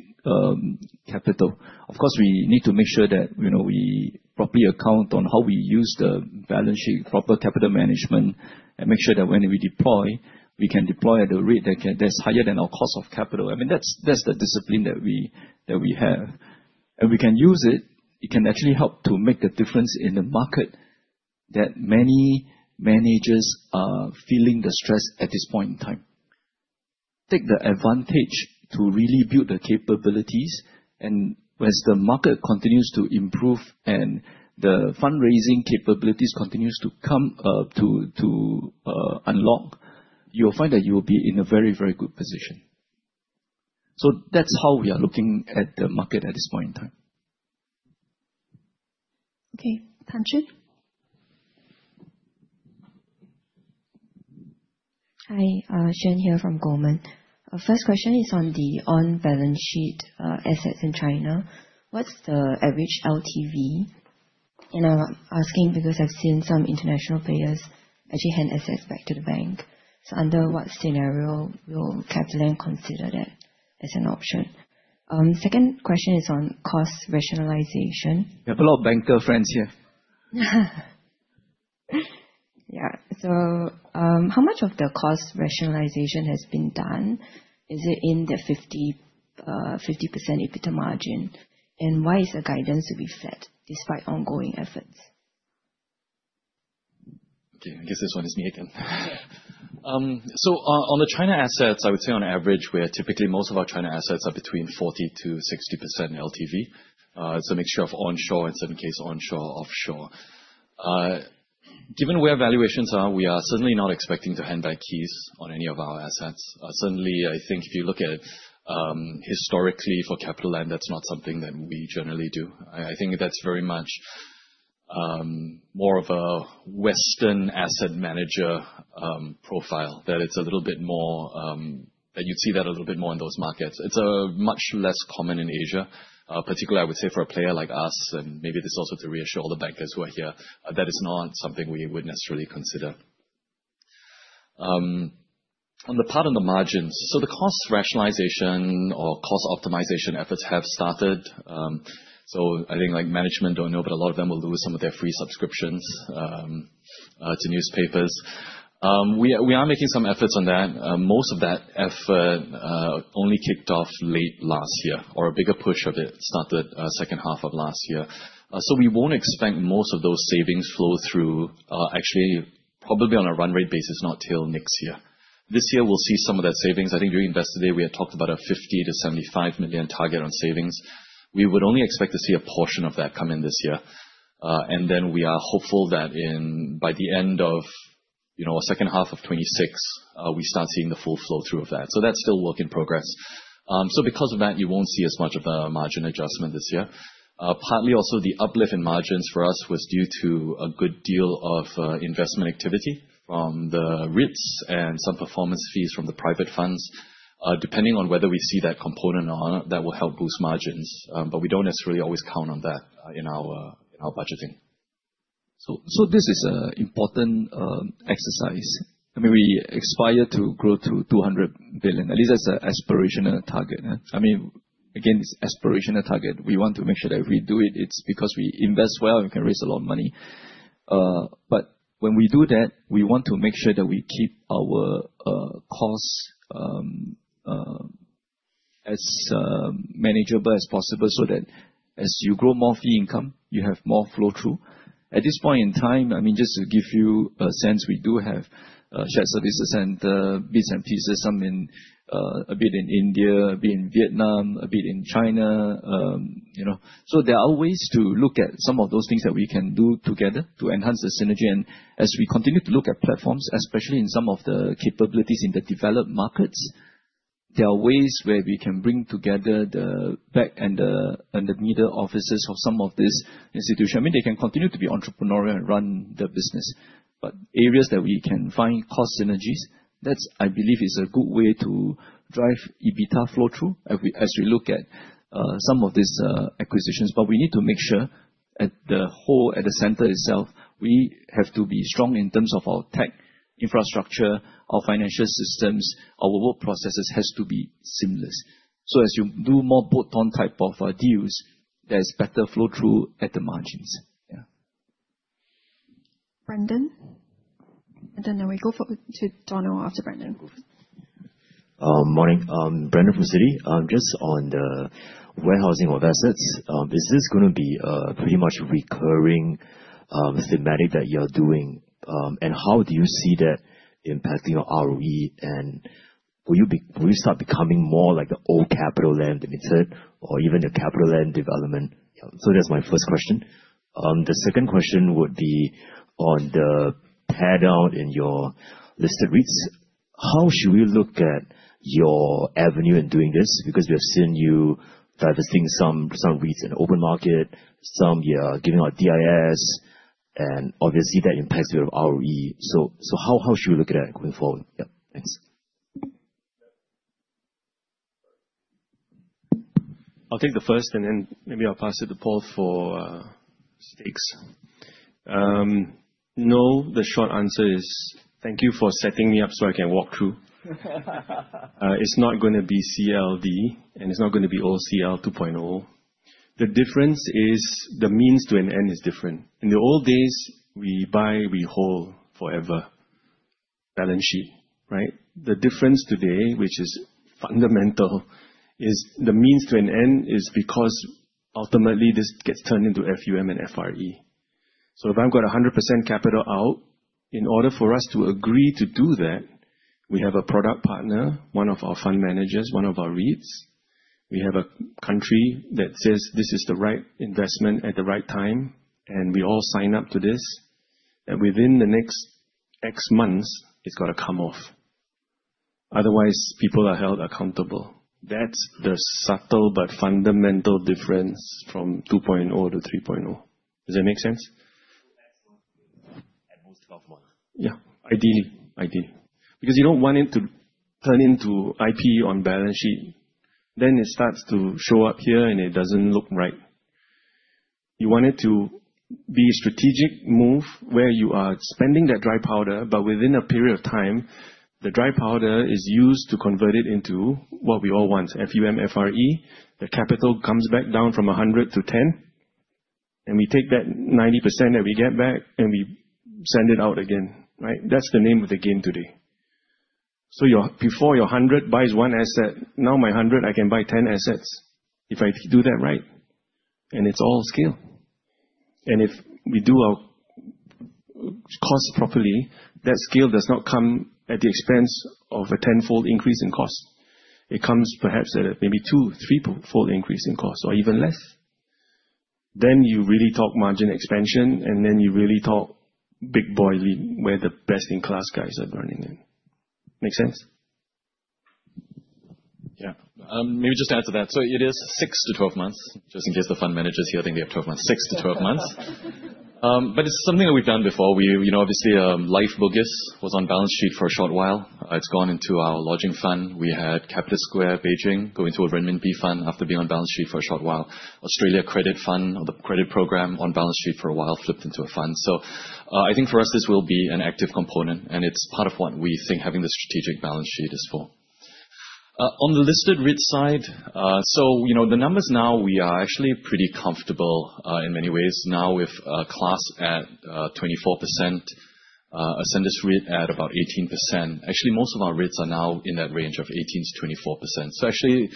Speaker 4: capital, of course, we need to make sure that we properly account on how we use the balance sheet, proper capital management, and make sure that when we deploy, we can deploy at a rate that's higher than our cost of capital. I mean, that's the discipline that we have. And we can use it. It can actually help to make the difference in the market that many managers are feeling the stress at this point in time. Take the advantage to really build the capabilities. And as the market continues to improve and the fundraising capabilities continue to come to unlock, you'll find that you will be in a very, very good position. So that's how we are looking at the market at this point in time.
Speaker 1: Okay, Xuan Tan?
Speaker 6: Hi, Shen here from Goldman. First question is on the on-balance sheet assets in China. What's the average LTV? And I'm asking because I've seen some international players actually hand assets back to the bank. So under what scenario will CapitaLand consider that as an option? Second question is on cost rationalization. We have a lot of banker friends here. Yeah. So how much of the cost rationalization has been done? Is it in the 50% EBITDA margin? And why is the guidance to be flat despite ongoing efforts?
Speaker 2: Okay, I guess this one is me again. So on the China assets, I would say on average, we are typically most of our China assets are between 40%-60% LTV. It's a mixture of onshore, in some cases, offshore. Given where valuations are, we are certainly not expecting to hand back keys on any of our assets. Certainly, I think if you look at historically for CapitaLand, that's not something that we generally do. I think that's very much more of a Western asset manager profile, that it's a little bit more that you'd see that a little bit more in those markets. It's much less common in Asia, particularly, I would say, for a player like us, and maybe this is also to reassure all the bankers who are here, that it's not something we would necessarily consider. On the part on the margins, so the cost rationalization or cost optimization efforts have started. So I think management don't know, but a lot of them will lose some of their free subscriptions to newspapers. We are making some efforts on that. Most of that effort only kicked off late last year, or a bigger push of it started second half of last year. We won't expect most of those savings flow through, actually, probably on a run rate basis, not till next year. This year, we'll see some of that savings. I think during Invest Today, we had talked about a 50 million-75 million target on savings. We would only expect to see a portion of that come in this year. And then we are hopeful that by the end of second half of 2026, we start seeing the full flow through of that. So that's still work in progress. So because of that, you won't see as much of a margin adjustment this year. Partly also the uplift in margins for us was due to a good deal of investment activity from the REITs and some performance fees from the private funds. Depending on whether we see that component or not, that will help boost margins. But we don't necessarily always count on that in our budgeting.
Speaker 4: So this is an important exercise. I mean, we aspire to grow to 200 billion. At least that's an aspirational target. I mean, again, it's an aspirational target. We want to make sure that if we do it, it's because we invest well, we can raise a lot of money. But when we do that, we want to make sure that we keep our costs as manageable as possible so that as you grow more fee income, you have more flow through. At this point in time, I mean, just to give you a sense, we do have shared services center, bits and pieces, some a bit in India, a bit in Vietnam, a bit in China. So there are ways to look at some of those things that we can do together to enhance the synergy. And as we continue to look at platforms, especially in some of the capabilities in the developed markets, there are ways where we can bring together the back and the middle offices of some of these institutions. I mean, they can continue to be entrepreneurial and run the business. But areas that we can find cost synergies, that's, I believe, is a good way to drive EBITDA flow through as we look at some of these acquisitions. But we need to make sure at the whole, at the center itself, we have to be strong in terms of our tech infrastructure, our financial systems, our work processes has to be seamless. So as you do more bolt-on type of deals, there's better flow through at the margins. Yeah.
Speaker 1: Brendan. And then we go to Donald after Brendan. Morning. Brendan from Citi.
Speaker 7: Just on the warehousing of assets, is this going to be a pretty much recurring thematic that you're doing? And how do you see that impacting your ROE? And will you start becoming more like the old CapitaLand Limited or even the CapitaLand Development? So that's my first question. The second question would be on the pay-out in your listed REITs. How should we look at your approach in doing this? Because we have seen you divesting some REITs in open market, some you're giving out DIS, and obviously that impacts your ROE. So how should we look at that going forward?
Speaker 4: Yep. Thanks. I'll take the first, and then maybe I'll pass it to Paul for the second. No, the short answer is thank you for setting me up so I can walk through. It's not going to be CLD, and it's not going to be OCL 2.0. The difference is the means to an end is different. In the old days, we buy, we hold forever. Balance sheet, right? The difference today, which is fundamental, is the means to an end is because ultimately this gets turned into FUM and FRE. So if I've got 100% capital out, in order for us to agree to do that, we have a product partner, one of our fund managers, one of our REITs. We have a country that says this is the right investment at the right time, and we all sign up to this and within the next X months, it's got to come off. Otherwise, people are held accountable. That's the subtle but fundamental difference from 2.0 to 3.0. Does that make sense? At most 12 months. Yeah, ideally. Ideally. Because you don't want it to turn into IP on balance sheet. Then it starts to show up here, and it doesn't look right. You want it to be a strategic move where you are spending that dry powder, but within a period of time, the dry powder is used to convert it into what we all want, FUM, FRE. The capital comes back down from 100 to 10, and we take that 90% that we get back, and we send it out again, right? That's the name of the game today. So before your 100 buys one asset, now my 100, I can buy 10 assets if I do that right. And it's all scale. And if we do our cost properly, that scale does not come at the expense of a tenfold increase in cost. It comes perhaps at maybe two, three-fold increase in cost or even less. Then you really talk margin expansion, and then you really talk big boy lead, where the best in class guys are burning in. Make sense?
Speaker 3: Yeah. Maybe just to add to that, so it is six to 12 months, just in case the fund managers here think they have 12 months. Six to 12 months. But it's something that we've done before. Obviously, Lyf one-north was on balance sheet for a short while. It's gone into our lodging fund. We had Capital Square Beijing go into a Renminbi fund after being on balance sheet for a short while. Australia Credit Fund, the credit program on balance sheet for a while flipped into a fund, so I think for us, this will be an active component, and it's part of what we think having the strategic balance sheet is for. On the listed REIT side, so the numbers now, we are actually pretty comfortable in many ways. Now we've Class at 24%, Ascendas REIT at about 18%. Actually, most of our REITs are now in that range of 18%-24%. So actually,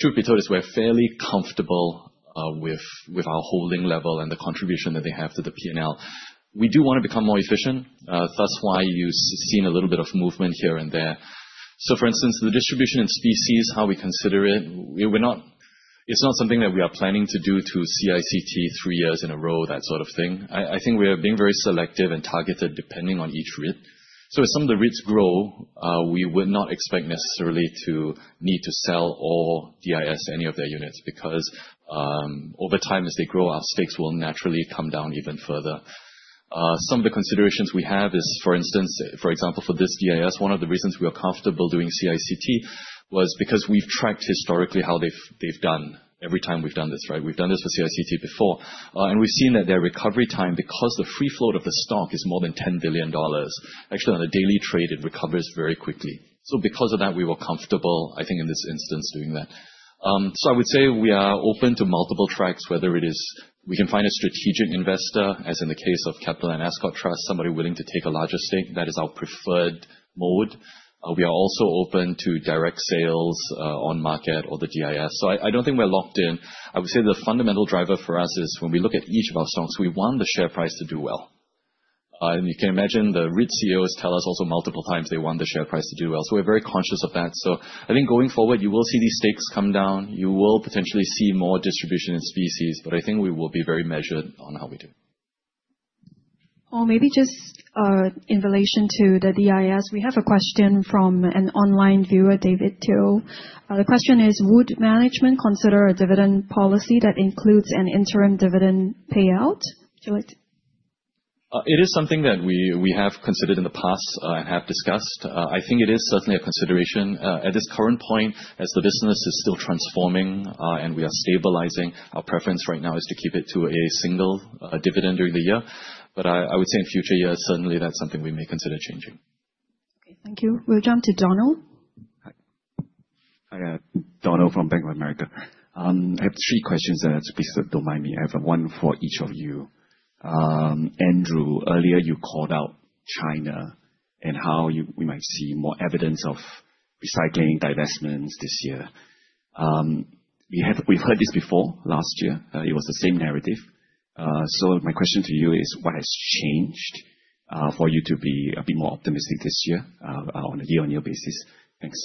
Speaker 3: truth be told, we're fairly comfortable with our holding level and the contribution that they have to the P&L. We do want to become more efficient. That's why you've seen a little bit of movement here and there. So for instance, the distribution in specie, how we consider it, it's not something that we are planning to do to CICT three years in a row, that sort of thing. I think we're being very selective and targeted depending on each REIT. So as some of the REITs grow, we would not expect necessarily to need to sell or DIS any of their units because over time, as they grow, our stakes will naturally come down even further. Some of the considerations we have is, for instance, for example, for this DIS, one of the reasons we were comfortable doing CICT was because we've tracked historically how they've done every time we've done this, right? We've done this for CICT before. And we've seen that their recovery time, because the free float of the stock is more than 10 billion dollars, actually on a daily trade, it recovers very quickly. So because of that, we were comfortable, I think in this instance, doing that. So I would say we are open to multiple tracks, whether it is we can find a strategic investor, as in the case of CapitaLand Ascott Trust, somebody willing to take a larger stake. That is our preferred mode. We are also open to direct sales on market or the DIS. So I don't think we're locked in. I would say the fundamental driver for us is when we look at each of our stocks, we want the share price to do well. And you can imagine the REIT CEOs tell us also multiple times they want the share price to do well. So we're very conscious of that. So I think going forward, you will see these stakes come down. You will potentially see more distribution in specie, but I think we will be very measured on how we do.
Speaker 1: Maybe just in relation to the DIS, we have a question from an online viewer, David Teo. The question is, would management consider a dividend policy that includes an interim dividend payout? Would you like to?
Speaker 3: It is something that we have considered in the past and have discussed. I think it is certainly a consideration. At this current point, as the business is still transforming and we are stabilizing, our preference right now is to keep it to a single dividend during the year. But I would say in future years, certainly that's something we may consider changing.
Speaker 1: Okay, thank you. We'll jump to Donald.
Speaker 8: Hi, Donald from Bank of America. I have three questions that are to be said. Don't mind me. I have one for each of you. Andrew, earlier you called out China and how we might see more evidence of recycling divestments this year. We've heard this before last year. It was the same narrative. So my question to you is, what has changed for you to be a bit more optimistic this year on a year-on-year basis?
Speaker 2: Thanks.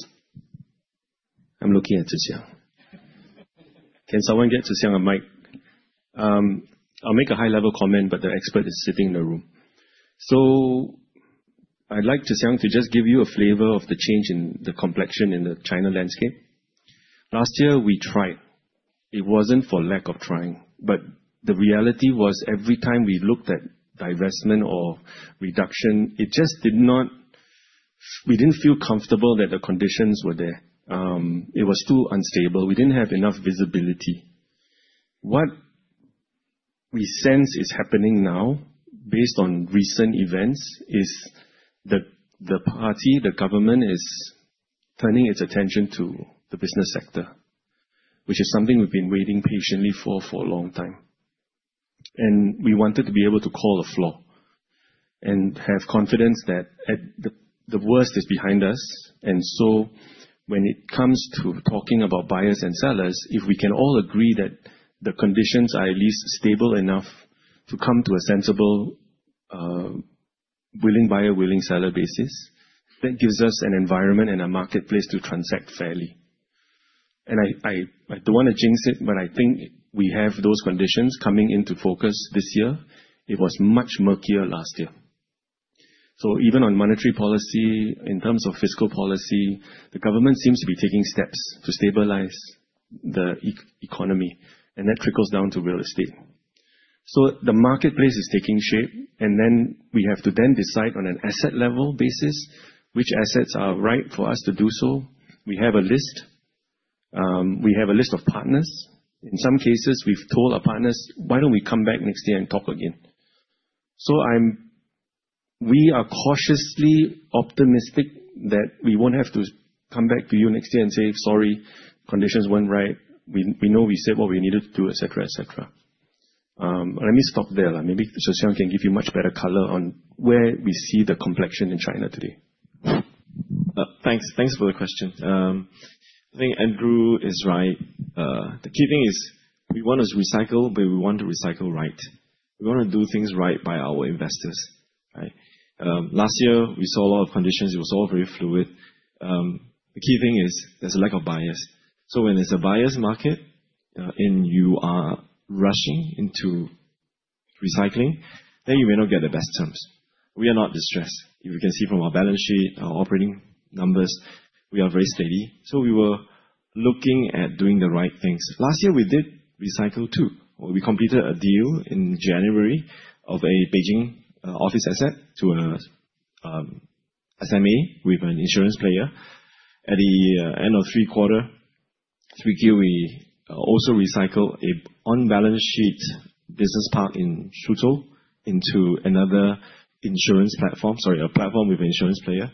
Speaker 2: I'm looking at Zhe Xiang. Can someone get Zhe Xiang on mic? I'll make a high-level comment, but the expert is sitting in the room. So I'd like Zhe Xiang to just give you a flavor of the change in the complexion in the China landscape. Last year, we tried. It wasn't for lack of trying. But the reality was every time we looked at divestment or reduction, we just didn't feel comfortable that the conditions were there. It was too unstable. We didn't have enough visibility. What we sense is happening now, based on recent events, is the party, the government, is turning its attention to the business sector, which is something we've been waiting patiently for a long time, and we wanted to be able to call the bottom and have confidence that the worst is behind us. And so when it comes to talking about buyers and sellers, if we can all agree that the conditions are at least stable enough to come to a sensible willing buyer, willing seller basis, that gives us an environment and a marketplace to transact fairly, and I don't want to jinx it, but I think we have those conditions coming into focus this year. It was much murkier last year, so even on monetary policy, in terms of fiscal policy, the government seems to be taking steps to stabilize the economy. That trickles down to real estate. The marketplace is taking shape. Then we have to then decide on an asset-level basis which assets are right for us to do so. We have a list. We have a list of partners. In some cases, we've told our partners, why don't we come back next year and talk again? We are cautiously optimistic that we won't have to come back to you next year and say, sorry, conditions weren't right. We know we said what we needed to do, et cetera, et cetera. Let me stop there. Maybe Zhe Xiang can give you much better color on where we see the complexion in China today.
Speaker 4: Thanks for the question. I think Andrew is right. The key thing is we want to recycle, but we want to recycle right. We want to do things right by our investors. Last year, we saw a lot of conditions. It was all very fluid. The key thing is there's a lack of bias. So when there's a bias market and you are rushing into recycling, then you may not get the best terms. We are not distressed. You can see from our balance sheet, our operating numbers, we are very steady. So we were looking at doing the right things. Last year, we did recycle too. We completed a deal in January of a Beijing office asset to an SMA with an insurance player. At the end of third quarter, Q3, we also recycled a balance sheet business park in Shinjuku into another insurance platform, sorry, a platform with an insurance player,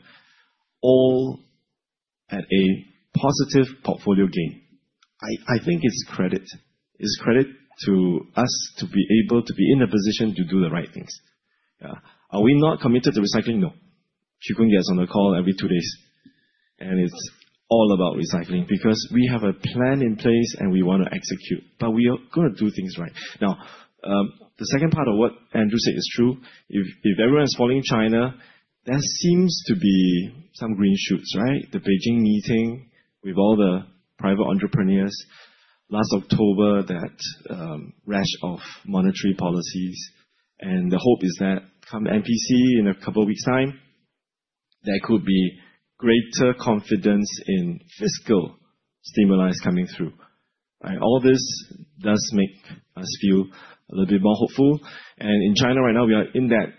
Speaker 4: all at a positive portfolio gain. I think it's credit. It's credit to us to be able to be in a position to do the right things. Are we not committed to recycling? No. Zhe Xiang gets on the call every two days, and it's all about recycling because we have a plan in place and we want to execute. But we are going to do things right. Now, the second part of what Andrew said is true. If everyone is following China, there seems to be some green shoots, right? The Beijing meeting with all the private entrepreneurs last October, that rash of monetary policies. And the hope is that come the NPC in a couple of weeks' time, there could be greater confidence in fiscal stimuli coming through. All this does make us feel a little bit more hopeful. And in China right now, we are in that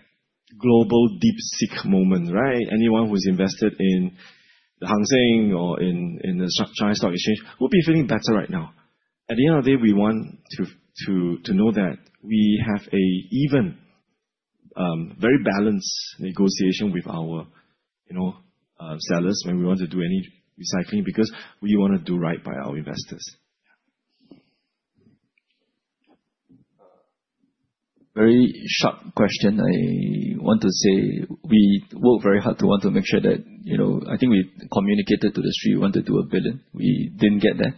Speaker 4: global deep sick moment, right? Anyone who's invested in the Hang Seng or in the China Stock Exchange would be feeling better right now. At the end of the day, we want to know that we have an even very balanced negotiation with our sellers when we want to do any recycling because we want to do right by our investors. Very short question. I want to say we worked very hard to want to make sure that I think we communicated to the street we want to do 1 billion. We didn't get there.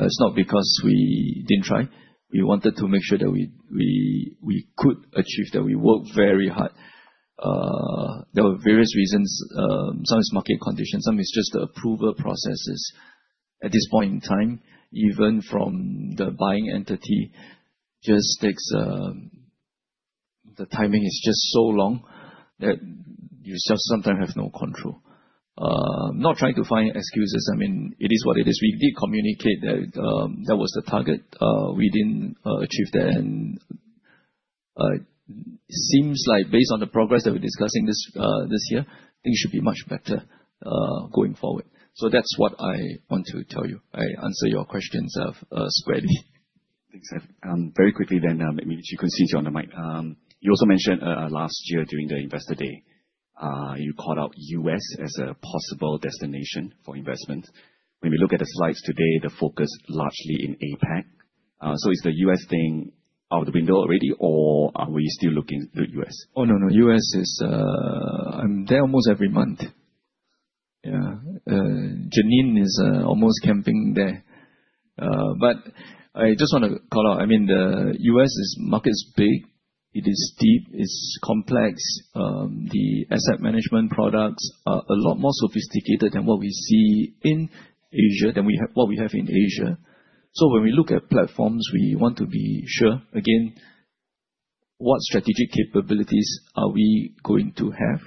Speaker 4: It's not because we didn't try. We wanted to make sure that we could achieve that. We worked very hard. There were various reasons. Some is market conditions. Some is just the approval processes. At this point in time, even from the buying entity, just takes the timing is just so long that you just sometimes have no control. I'm not trying to find excuses. I mean, it is what it is. We did communicate that that was the target. We didn't achieve that, and it seems like based on the progress that we're discussing this year, things should be much better going forward, so that's what I want to tell you. I answer your questions squarely.
Speaker 8: Thanks, sir. Very quickly then, maybe Xuan sees you on the mic. You also mentioned last year during the Investor Day, you called out U.S. as a possible destination for investment. When we look at the slides today, the focus is largely in APAC. So is the U.S. thing out of the window already, or are we still looking to U.S.?
Speaker 4: Oh, no, no. U.S. is there almost every month. Yeah. Janine is almost camping there. But I just want to call out, I mean, the U.S. market is big. It is deep. It's complex. The asset management products are a lot more sophisticated than what we see in Asia, than what we have in Asia. So when we look at platforms, we want to be sure, again, what strategic capabilities are we going to have?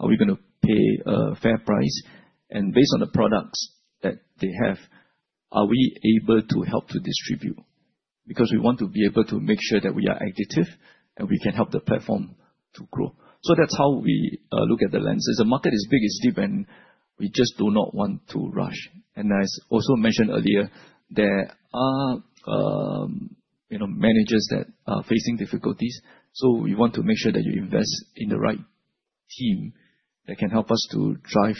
Speaker 4: Are we going to pay a fair price? And based on the products that they have, are we able to help to distribute? Because we want to be able to make sure that we are active and we can help the platform to grow. So that's how we look at the lens. As the market is big, it's deep, and we just do not want to rush. And as also mentioned earlier, there are managers that are facing difficulties. We want to make sure that you invest in the right team that can help us to drive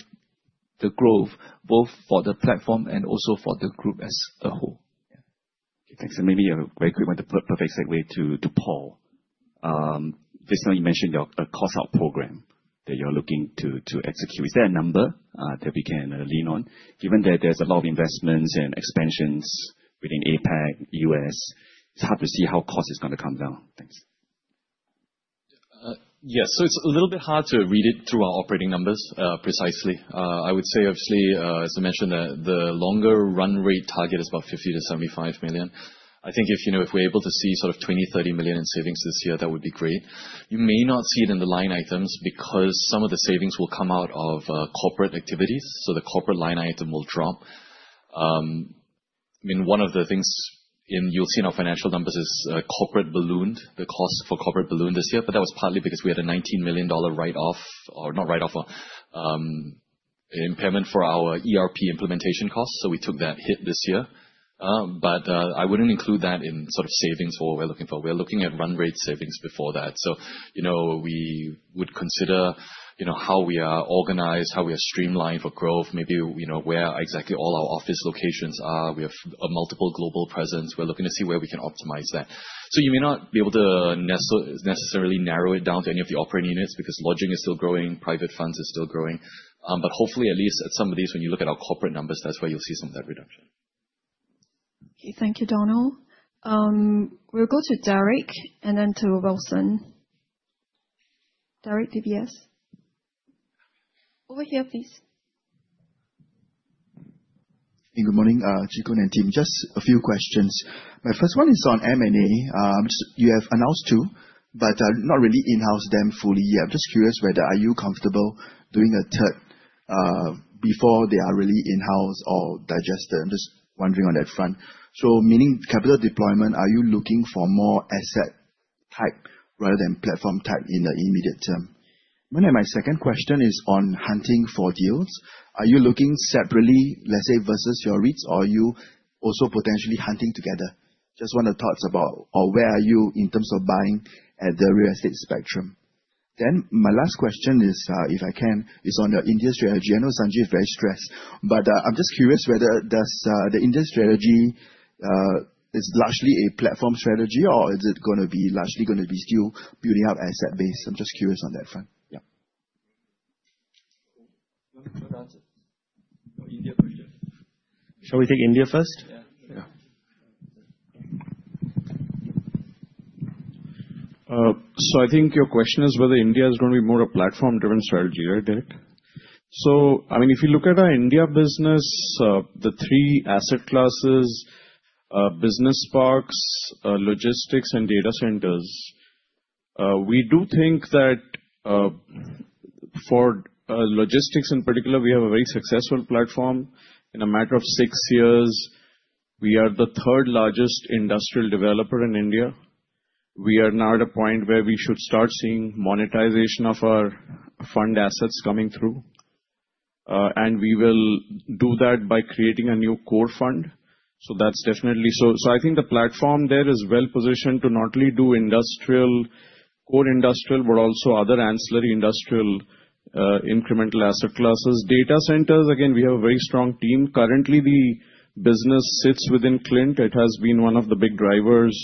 Speaker 4: the growth, both for the platform and also for the group as a whole.
Speaker 8: Thanks. And maybe a very quick one, the perfect segue to Paul. Just now you mentioned a cost-out program that you're looking to execute. Is there a number that we can lean on? Given that there's a lot of investments and expansions within APAC, U.S., it's hard to see how cost is going to come down. Thanks.
Speaker 3: Yes, so it's a little bit hard to read it through our operating numbers precisely. I would say, obviously, as I mentioned, the longer run rate target is about 50 million-75 million. I think if we're able to see sort of 20 million-30 million in savings this year, that would be great. You may not see it in the line items because some of the savings will come out of corporate activities. So the corporate line item will drop. I mean, one of the things you'll see in our financial numbers is corporate ballooned, the cost for corporate ballooned this year. But that was partly because we had a $19 million write-off, or not write-off, impairment for our ERP implementation costs. So we took that hit this year. But I wouldn't include that in sort of savings for what we're looking for. We're looking at run rate savings before that. So we would consider how we are organized, how we are streamlined for growth, maybe where exactly all our office locations are. We have multiple global presence. We're looking to see where we can optimize that. So, you may not be able to necessarily narrow it down to any of the operating units because lodging is still growing, private funds are still growing. But hopefully, at least at some of these, when you look at our corporate numbers, that's where you'll see some of that reduction.
Speaker 1: Okay, thank you, Donald. We'll go to Derek and then to Wilson. Derek, DBS. Over here, please.
Speaker 9: Good morning, Chee Koon and team. Just a few questions. My first one is on M&A. You have announced two, but not really in-house them fully yet. I'm just curious whether are you comfortable doing a third before they are really in-house or digested? I'm just wondering on that front. So meaning capital deployment, are you looking for more asset type rather than platform type in the immediate term? My second question is on hunting for deals. Are you looking separately, let's say, versus your REITs, or are you also potentially hunting together? Just want to talk about where are you in terms of buying at the real estate spectrum. Then my last question is, if I can, is on the India strategy. I know Sanjay is very stressed, but I'm just curious whether the India strategy is largely a platform strategy, or is it going to be largely going to be still building up asset base? I'm just curious on that front. Yeah. No answer. India question.
Speaker 4: Shall we take India first?
Speaker 9: Yeah.
Speaker 4: So I think your question is whether India is going to be more a platform-driven strategy, right, Derek? So I mean, if you look at our India business, the three asset classes, business parks, logistics, and data centers, we do think that for logistics in particular, we have a very successful platform. In a matter of six years, we are the third largest industrial developer in India. We are now at a point where we should start seeing monetization of our fund assets coming through, and we will do that by creating a new core fund. So that's definitely, I think the platform there is well positioned to not only do industrial, core industrial, but also other ancillary industrial incremental asset classes. Data centers, again, we have a very strong team. Currently, the business sits within Clint. It has been one of the big drivers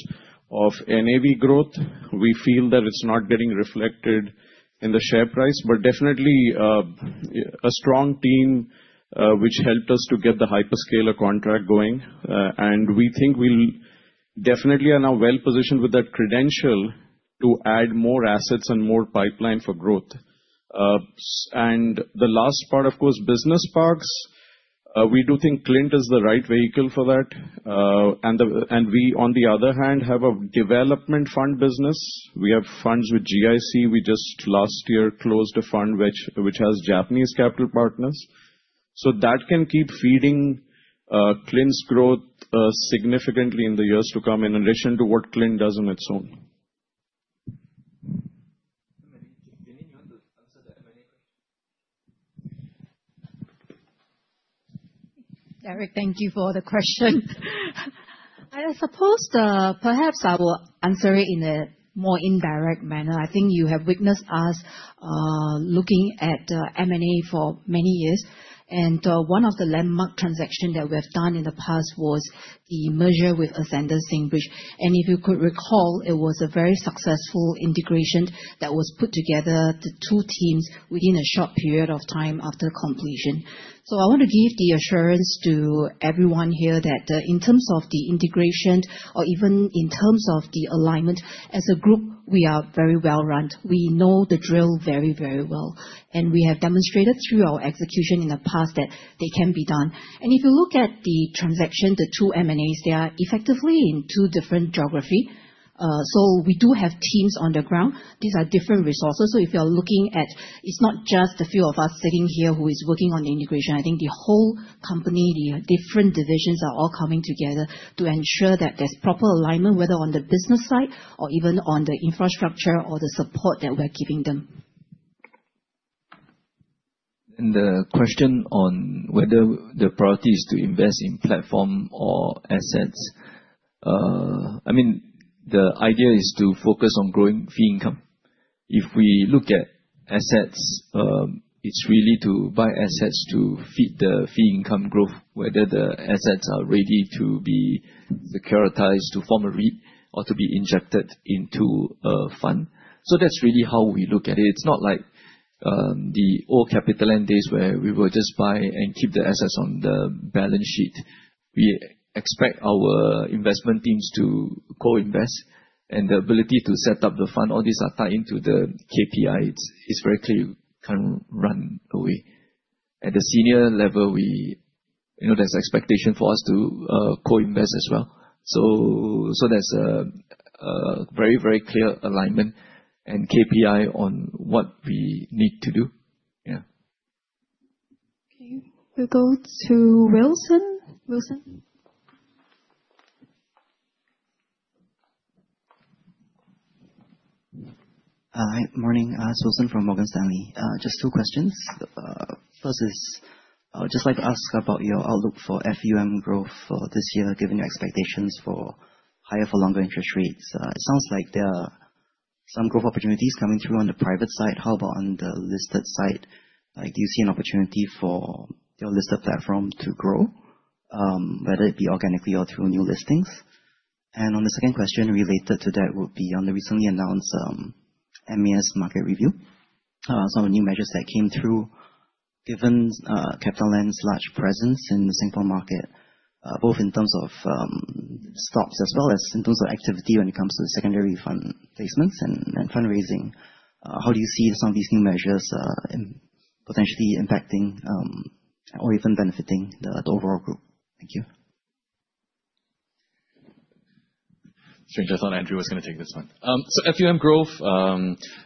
Speaker 4: of NAV growth. We feel that it's not getting reflected in the share price, but definitely a strong team which helped us to get the hyperscaler contract going, and we think we definitely are now well positioned with that credential to add more assets and more pipeline for growth. And the last part, of course, business parks. We do think Clint is the right vehicle for that. And we, on the other hand, have a development fund business. We have funds with GIC. We just last year closed a fund which has Japanese capital partners. So that can keep feeding Clint's growth significantly in the years to come in relation to what Clint does on its own.
Speaker 1: Derek, thank you for the question. I suppose perhaps I will answer it in a more indirect manner. I think you have witnessed us looking at M&A for many years. And one of the landmark transactions that we have done in the past was the merger with Ascendas-Singbridge. And if you could recall, it was a very successful integration that was put together to two teams within a short period of time after completion. I want to give the assurance to everyone here that in terms of the integration, or even in terms of the alignment, as a group, we are very well-run. We know the drill very, very well. We have demonstrated through our execution in the past that they can be done. If you look at the transaction, the two M&As, they are effectively in two different geographies. We do have teams on the ground. These are different resources. If you're looking at, it's not just the few of us sitting here who are working on the integration. I think the whole company, the different divisions are all coming together to ensure that there's proper alignment, whether on the business side or even on the infrastructure or the support that we're giving them.
Speaker 4: The question on whether the priority is to invest in platform or assets, I mean, the idea is to focus on growing fee income. If we look at assets, it's really to buy assets to feed the fee income growth, whether the assets are ready to be securitized, to form a REIT, or to be injected into a fund. So that's really how we look at it. It's not like the old CapitaLand days where we will just buy and keep the assets on the balance sheet. We expect our investment teams to co-invest. And the ability to set up the fund, all these are tied into the KPI. It's very clear you cannot run away. At the senior level, there's an expectation for us to co-invest as well. So there's a very, very clear alignment and KPI on what we need to do. Yeah. Okay.
Speaker 1: We'll go to Wilson. Wilson.
Speaker 10: Hi, morning. This is Wilson from Morgan Stanley. Just two questions. First is, I would just like to ask about your outlook for FUM growth for this year, given your expectations for higher for longer interest rates. It sounds like there are some growth opportunities coming through on the private side. How about on the listed side? Do you see an opportunity for your listed platform to grow, whether it be organically or through new listings? And on the second question related to that would be on the recently announced MAS market review, some of the new measures that came through, given CapitaLand's large presence in the Singapore market, both in terms of stocks as well as in terms of activity when it comes to secondary fund placements and fundraising. How do you see some of these new measures potentially impacting or even benefiting the overall group? Thank you.
Speaker 3: Sorry, I thought Andrew was going to take this one. So FUM growth,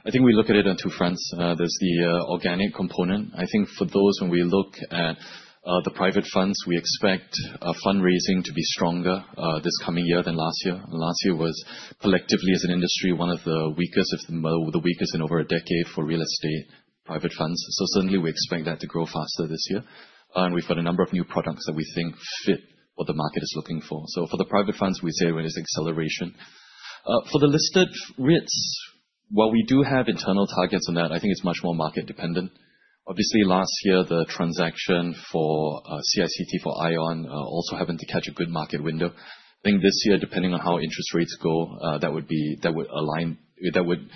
Speaker 3: I think we look at it on two fronts. There's the organic component. I think for those, when we look at the private funds, we expect fundraising to be stronger this coming year than last year. Last year was collectively, as an industry, one of the weakest, if the weakest in over a decade for real estate private funds. So certainly, we expect that to grow faster this year. And we've got a number of new products that we think fit what the market is looking for. So for the private funds, we say there is acceleration. For the listed REITs, while we do have internal targets on that, I think it's much more market dependent. Obviously, last year, the transaction for CICT for ION also happened to catch a good market window. I think this year, depending on how interest rates go, that would align, that would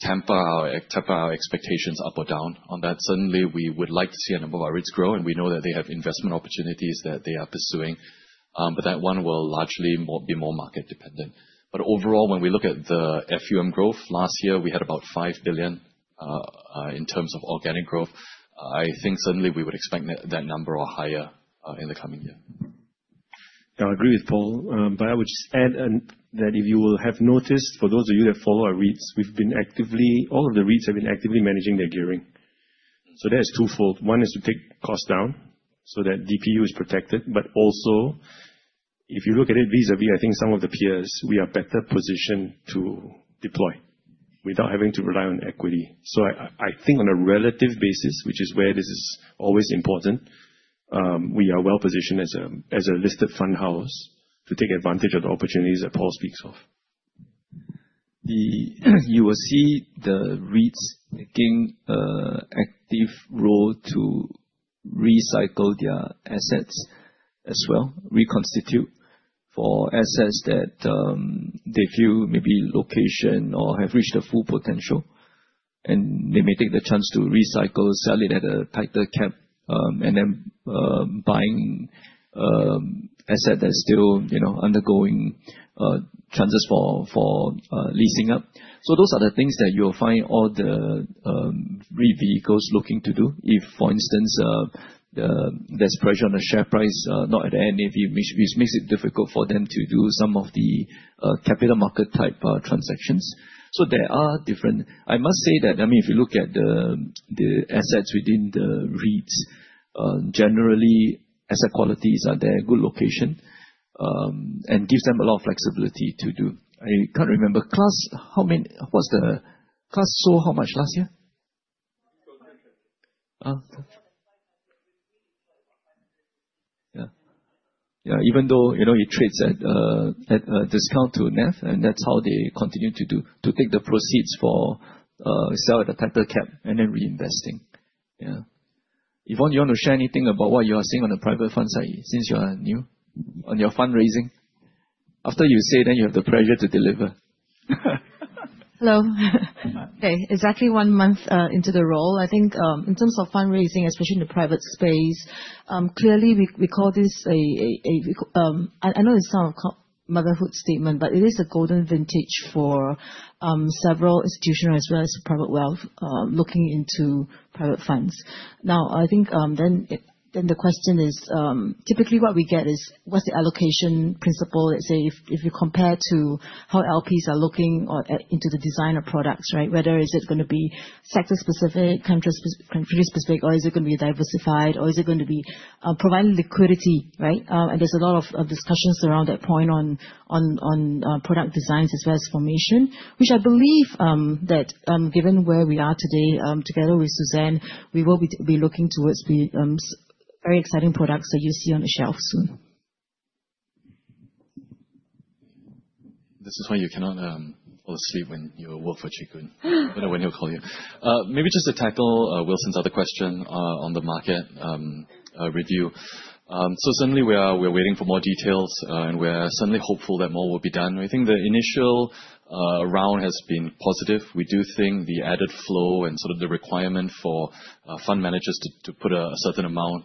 Speaker 3: temper our expectations up or down on that. Certainly, we would like to see a number of our REITs grow, and we know that they have investment opportunities that they are pursuing. But that one will largely be more market dependent. But overall, when we look at the FUM growth, last year, we had about 5 billion in terms of organic growth. I think certainly we would expect that number or higher in the coming year.
Speaker 2: Yeah, I agree with Paul. But I would just add that if you will have noticed, for those of you that follow our REITs, we've been actively, all of the REITs have been actively managing their gearing. So there's twofold. One is to take costs down so that DPU is protected, but also, if you look at it vis-à-vis, I think some of the peers, we are better positioned to deploy without having to rely on equity, so I think on a relative basis, which is where this is always important, we are well positioned as a listed fund house to take advantage of the opportunities that Paul speaks of. You will see the REITs taking an active role to recycle their assets as well, reconstitute for assets that they feel may be location or have reached a full potential, and they may take the chance to recycle, sell it at a tighter cap, and then buying assets that are still undergoing transitions for leasing up, so those are the things that you'll find all the REIT vehicles looking to do. If, for instance, there's pressure on the share price, not at the end, which makes it difficult for them to do some of the capital market type transactions. So there are different. I must say that, I mean, if you look at the assets within the REITs, generally, asset qualities are there, good location, and gives them a lot of flexibility to do. I can't remember. Class, how many? What's the Class sold how much last year? Yeah. Yeah, even though it trades at a discount to NAV, and that's how they continue to do, to take the proceeds for sale at a tighter cap and then reinvesting. Yeah. Yvonne, you want to share anything about what you are seeing on the private fund side since you are new on your fundraising? After you say, then you have the pressure to deliver.
Speaker 11: Hello. Okay, exactly one month into the role. I think in terms of fundraising, especially in the private space, clearly we call this a. I know it's not a motherhood statement, but it is a golden vintage for several institutional as well as private wealth looking into private funds. Now, I think then the question is, typically what we get is, what's the allocation principle? Let's say if you compare to how LPs are looking into the design of products, right? Whether is it going to be sector-specific, country-specific, or is it going to be diversified, or is it going to be providing liquidity, right? And there's a lot of discussions around that point on product designs as well as formation, which I believe that given where we are today, together with Suzanne, we will be looking towards very exciting products that you see on the shelf soon.
Speaker 3: This is why you cannot fall asleep when you work for Chee Koon. I don't know when he'll call you. Maybe just to tackle Wilson's other question on the market review. Certainly, we're waiting for more details, and we're certainly hopeful that more will be done. I think the initial round has been positive. We do think the added flow and sort of the requirement for fund managers to put a certain amount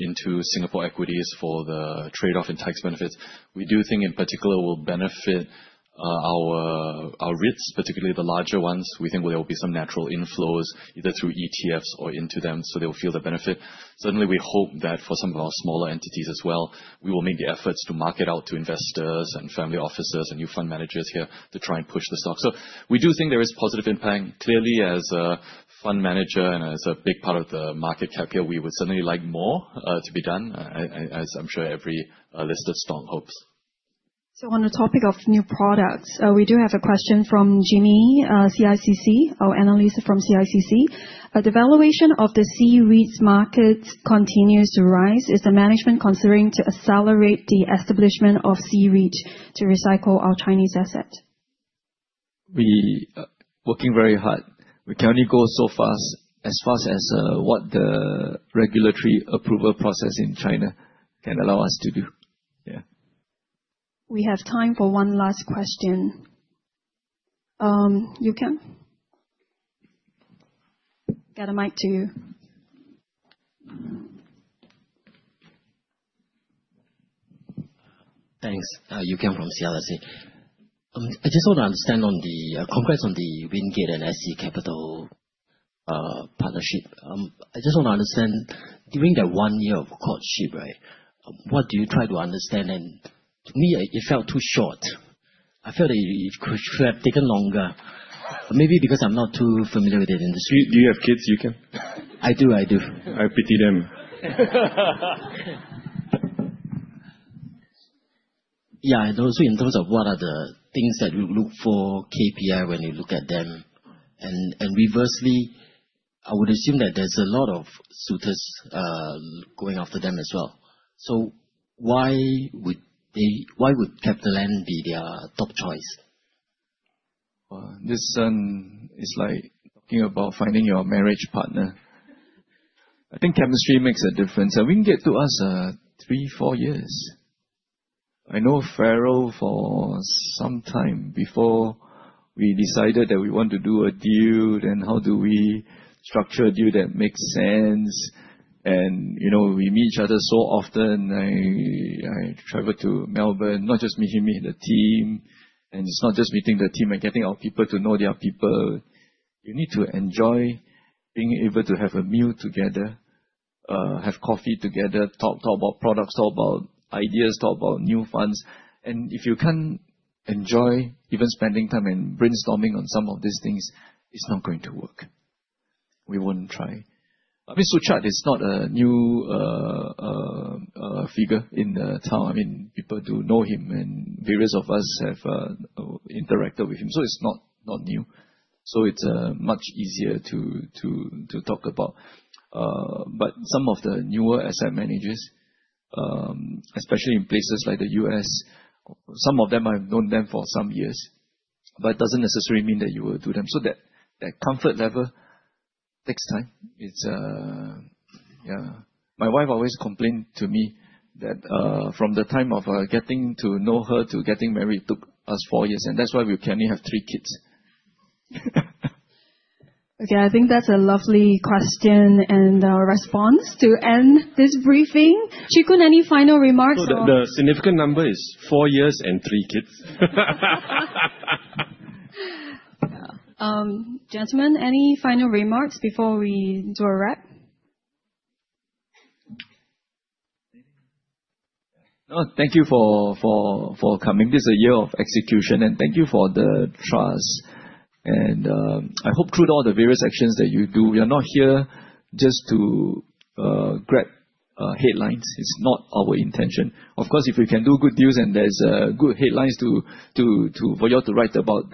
Speaker 3: into Singapore equities for the trade-off in tax benefits, we do think in particular will benefit our REITs, particularly the larger ones. We think there will be some natural inflows either through ETFs or into them, so they will feel the benefit. Certainly, we hope that for some of our smaller entities as well, we will make the efforts to market out to investors and family offices and new fund managers here to try and push the stock. So we do think there is positive impact. Clearly, as a fund manager and as a big part of the market cap here, we would certainly like more to be done, as I'm sure every listed stock hopes.
Speaker 1: So on the topic of new products, we do have a question from Jimmy, CICC, our analyst from CICC. The valuation of the C-REITs market continues to rise. Is the management considering to accelerate the establishment of C-REITs to recycle our Chinese asset?
Speaker 4: We are working very hard. We can only go so fast, as fast as what the regulatory approval process in China can allow us to do. Yeah.
Speaker 1: We have time for one last question. Yuki, get a mic to you.
Speaker 12: Thanks. Yuki from CLSA. I just want to understand the context of the Wingate and SC Capital partnership. I just want to understand during that one year of courtship, right? What do you try to understand? And to me, it felt too short. I felt that it could have taken longer, maybe because I'm not too familiar with the industry.
Speaker 4: Do you have kids, Yuki?
Speaker 12: I do, I do.
Speaker 4: I pity them.
Speaker 12: Yeah, I know. So in terms of what are the things that you look for, KPI when you look at them? And conversely, I would assume that there's a lot of suitors going after them as well. So why would CapitaLand be their top choice?
Speaker 4: This sounds like talking about finding your marriage partner. I think chemistry makes a difference. And it can take three, four years. I know Farrell for some time before we decided that we want to do a deal, then how do we structure a deal that makes sense? We meet each other so often. I traveled to Melbourne, not just me, he met the team. It's not just meeting the team, I'm getting our people to know their people. You need to enjoy being able to have a meal together, have coffee together, talk about products, talk about ideas, talk about new funds. If you can't enjoy even spending time and brainstorming on some of these things, it's not going to work. We won't try. I mean, Suchart is not a new figure in the town. I mean, people do know him, and various of us have interacted with him. So it's not new. So it's much easier to talk about. But some of the newer asset managers, especially in places like the U.S., some of them I've known them for some years, but it doesn't necessarily mean that you will do them. So that comfort level takes time. Yeah. My wife always complained to me that from the time of getting to know her to getting married, it took us four years. And that's why we can only have three kids.
Speaker 1: Okay, I think that's a lovely question and response to end this briefing. Xuan, any final remarks?
Speaker 4: The significant number is four years and three kids.
Speaker 1: Gentlemen, any final remarks before we do a wrap?
Speaker 4: No, thank you for coming. This is a year of execution, and thank you for the trust. And I hope through all the various actions that you do, we are not here just to grab headlines. It's not our intention. Of course, if we can do good deals and there's good headlines for you all to write about,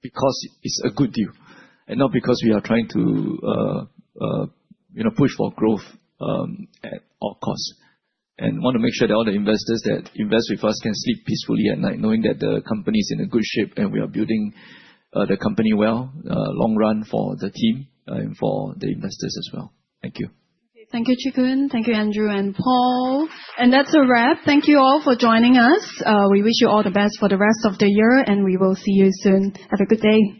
Speaker 4: that's because it's a good deal and not because we are trying to push for growth at all costs, and I want to make sure that all the investors that invest with us can sleep peacefully at night knowing that the company is in good shape and we are building the company well, long run for the team and for the investors as well. Thank you.
Speaker 1: Thank you, Zhe Xiang. Thank you, Andrew and Paul, and that's a wrap. Thank you all for joining us. We wish you all the best for the rest of the year, and we will see you soon. Have a good day.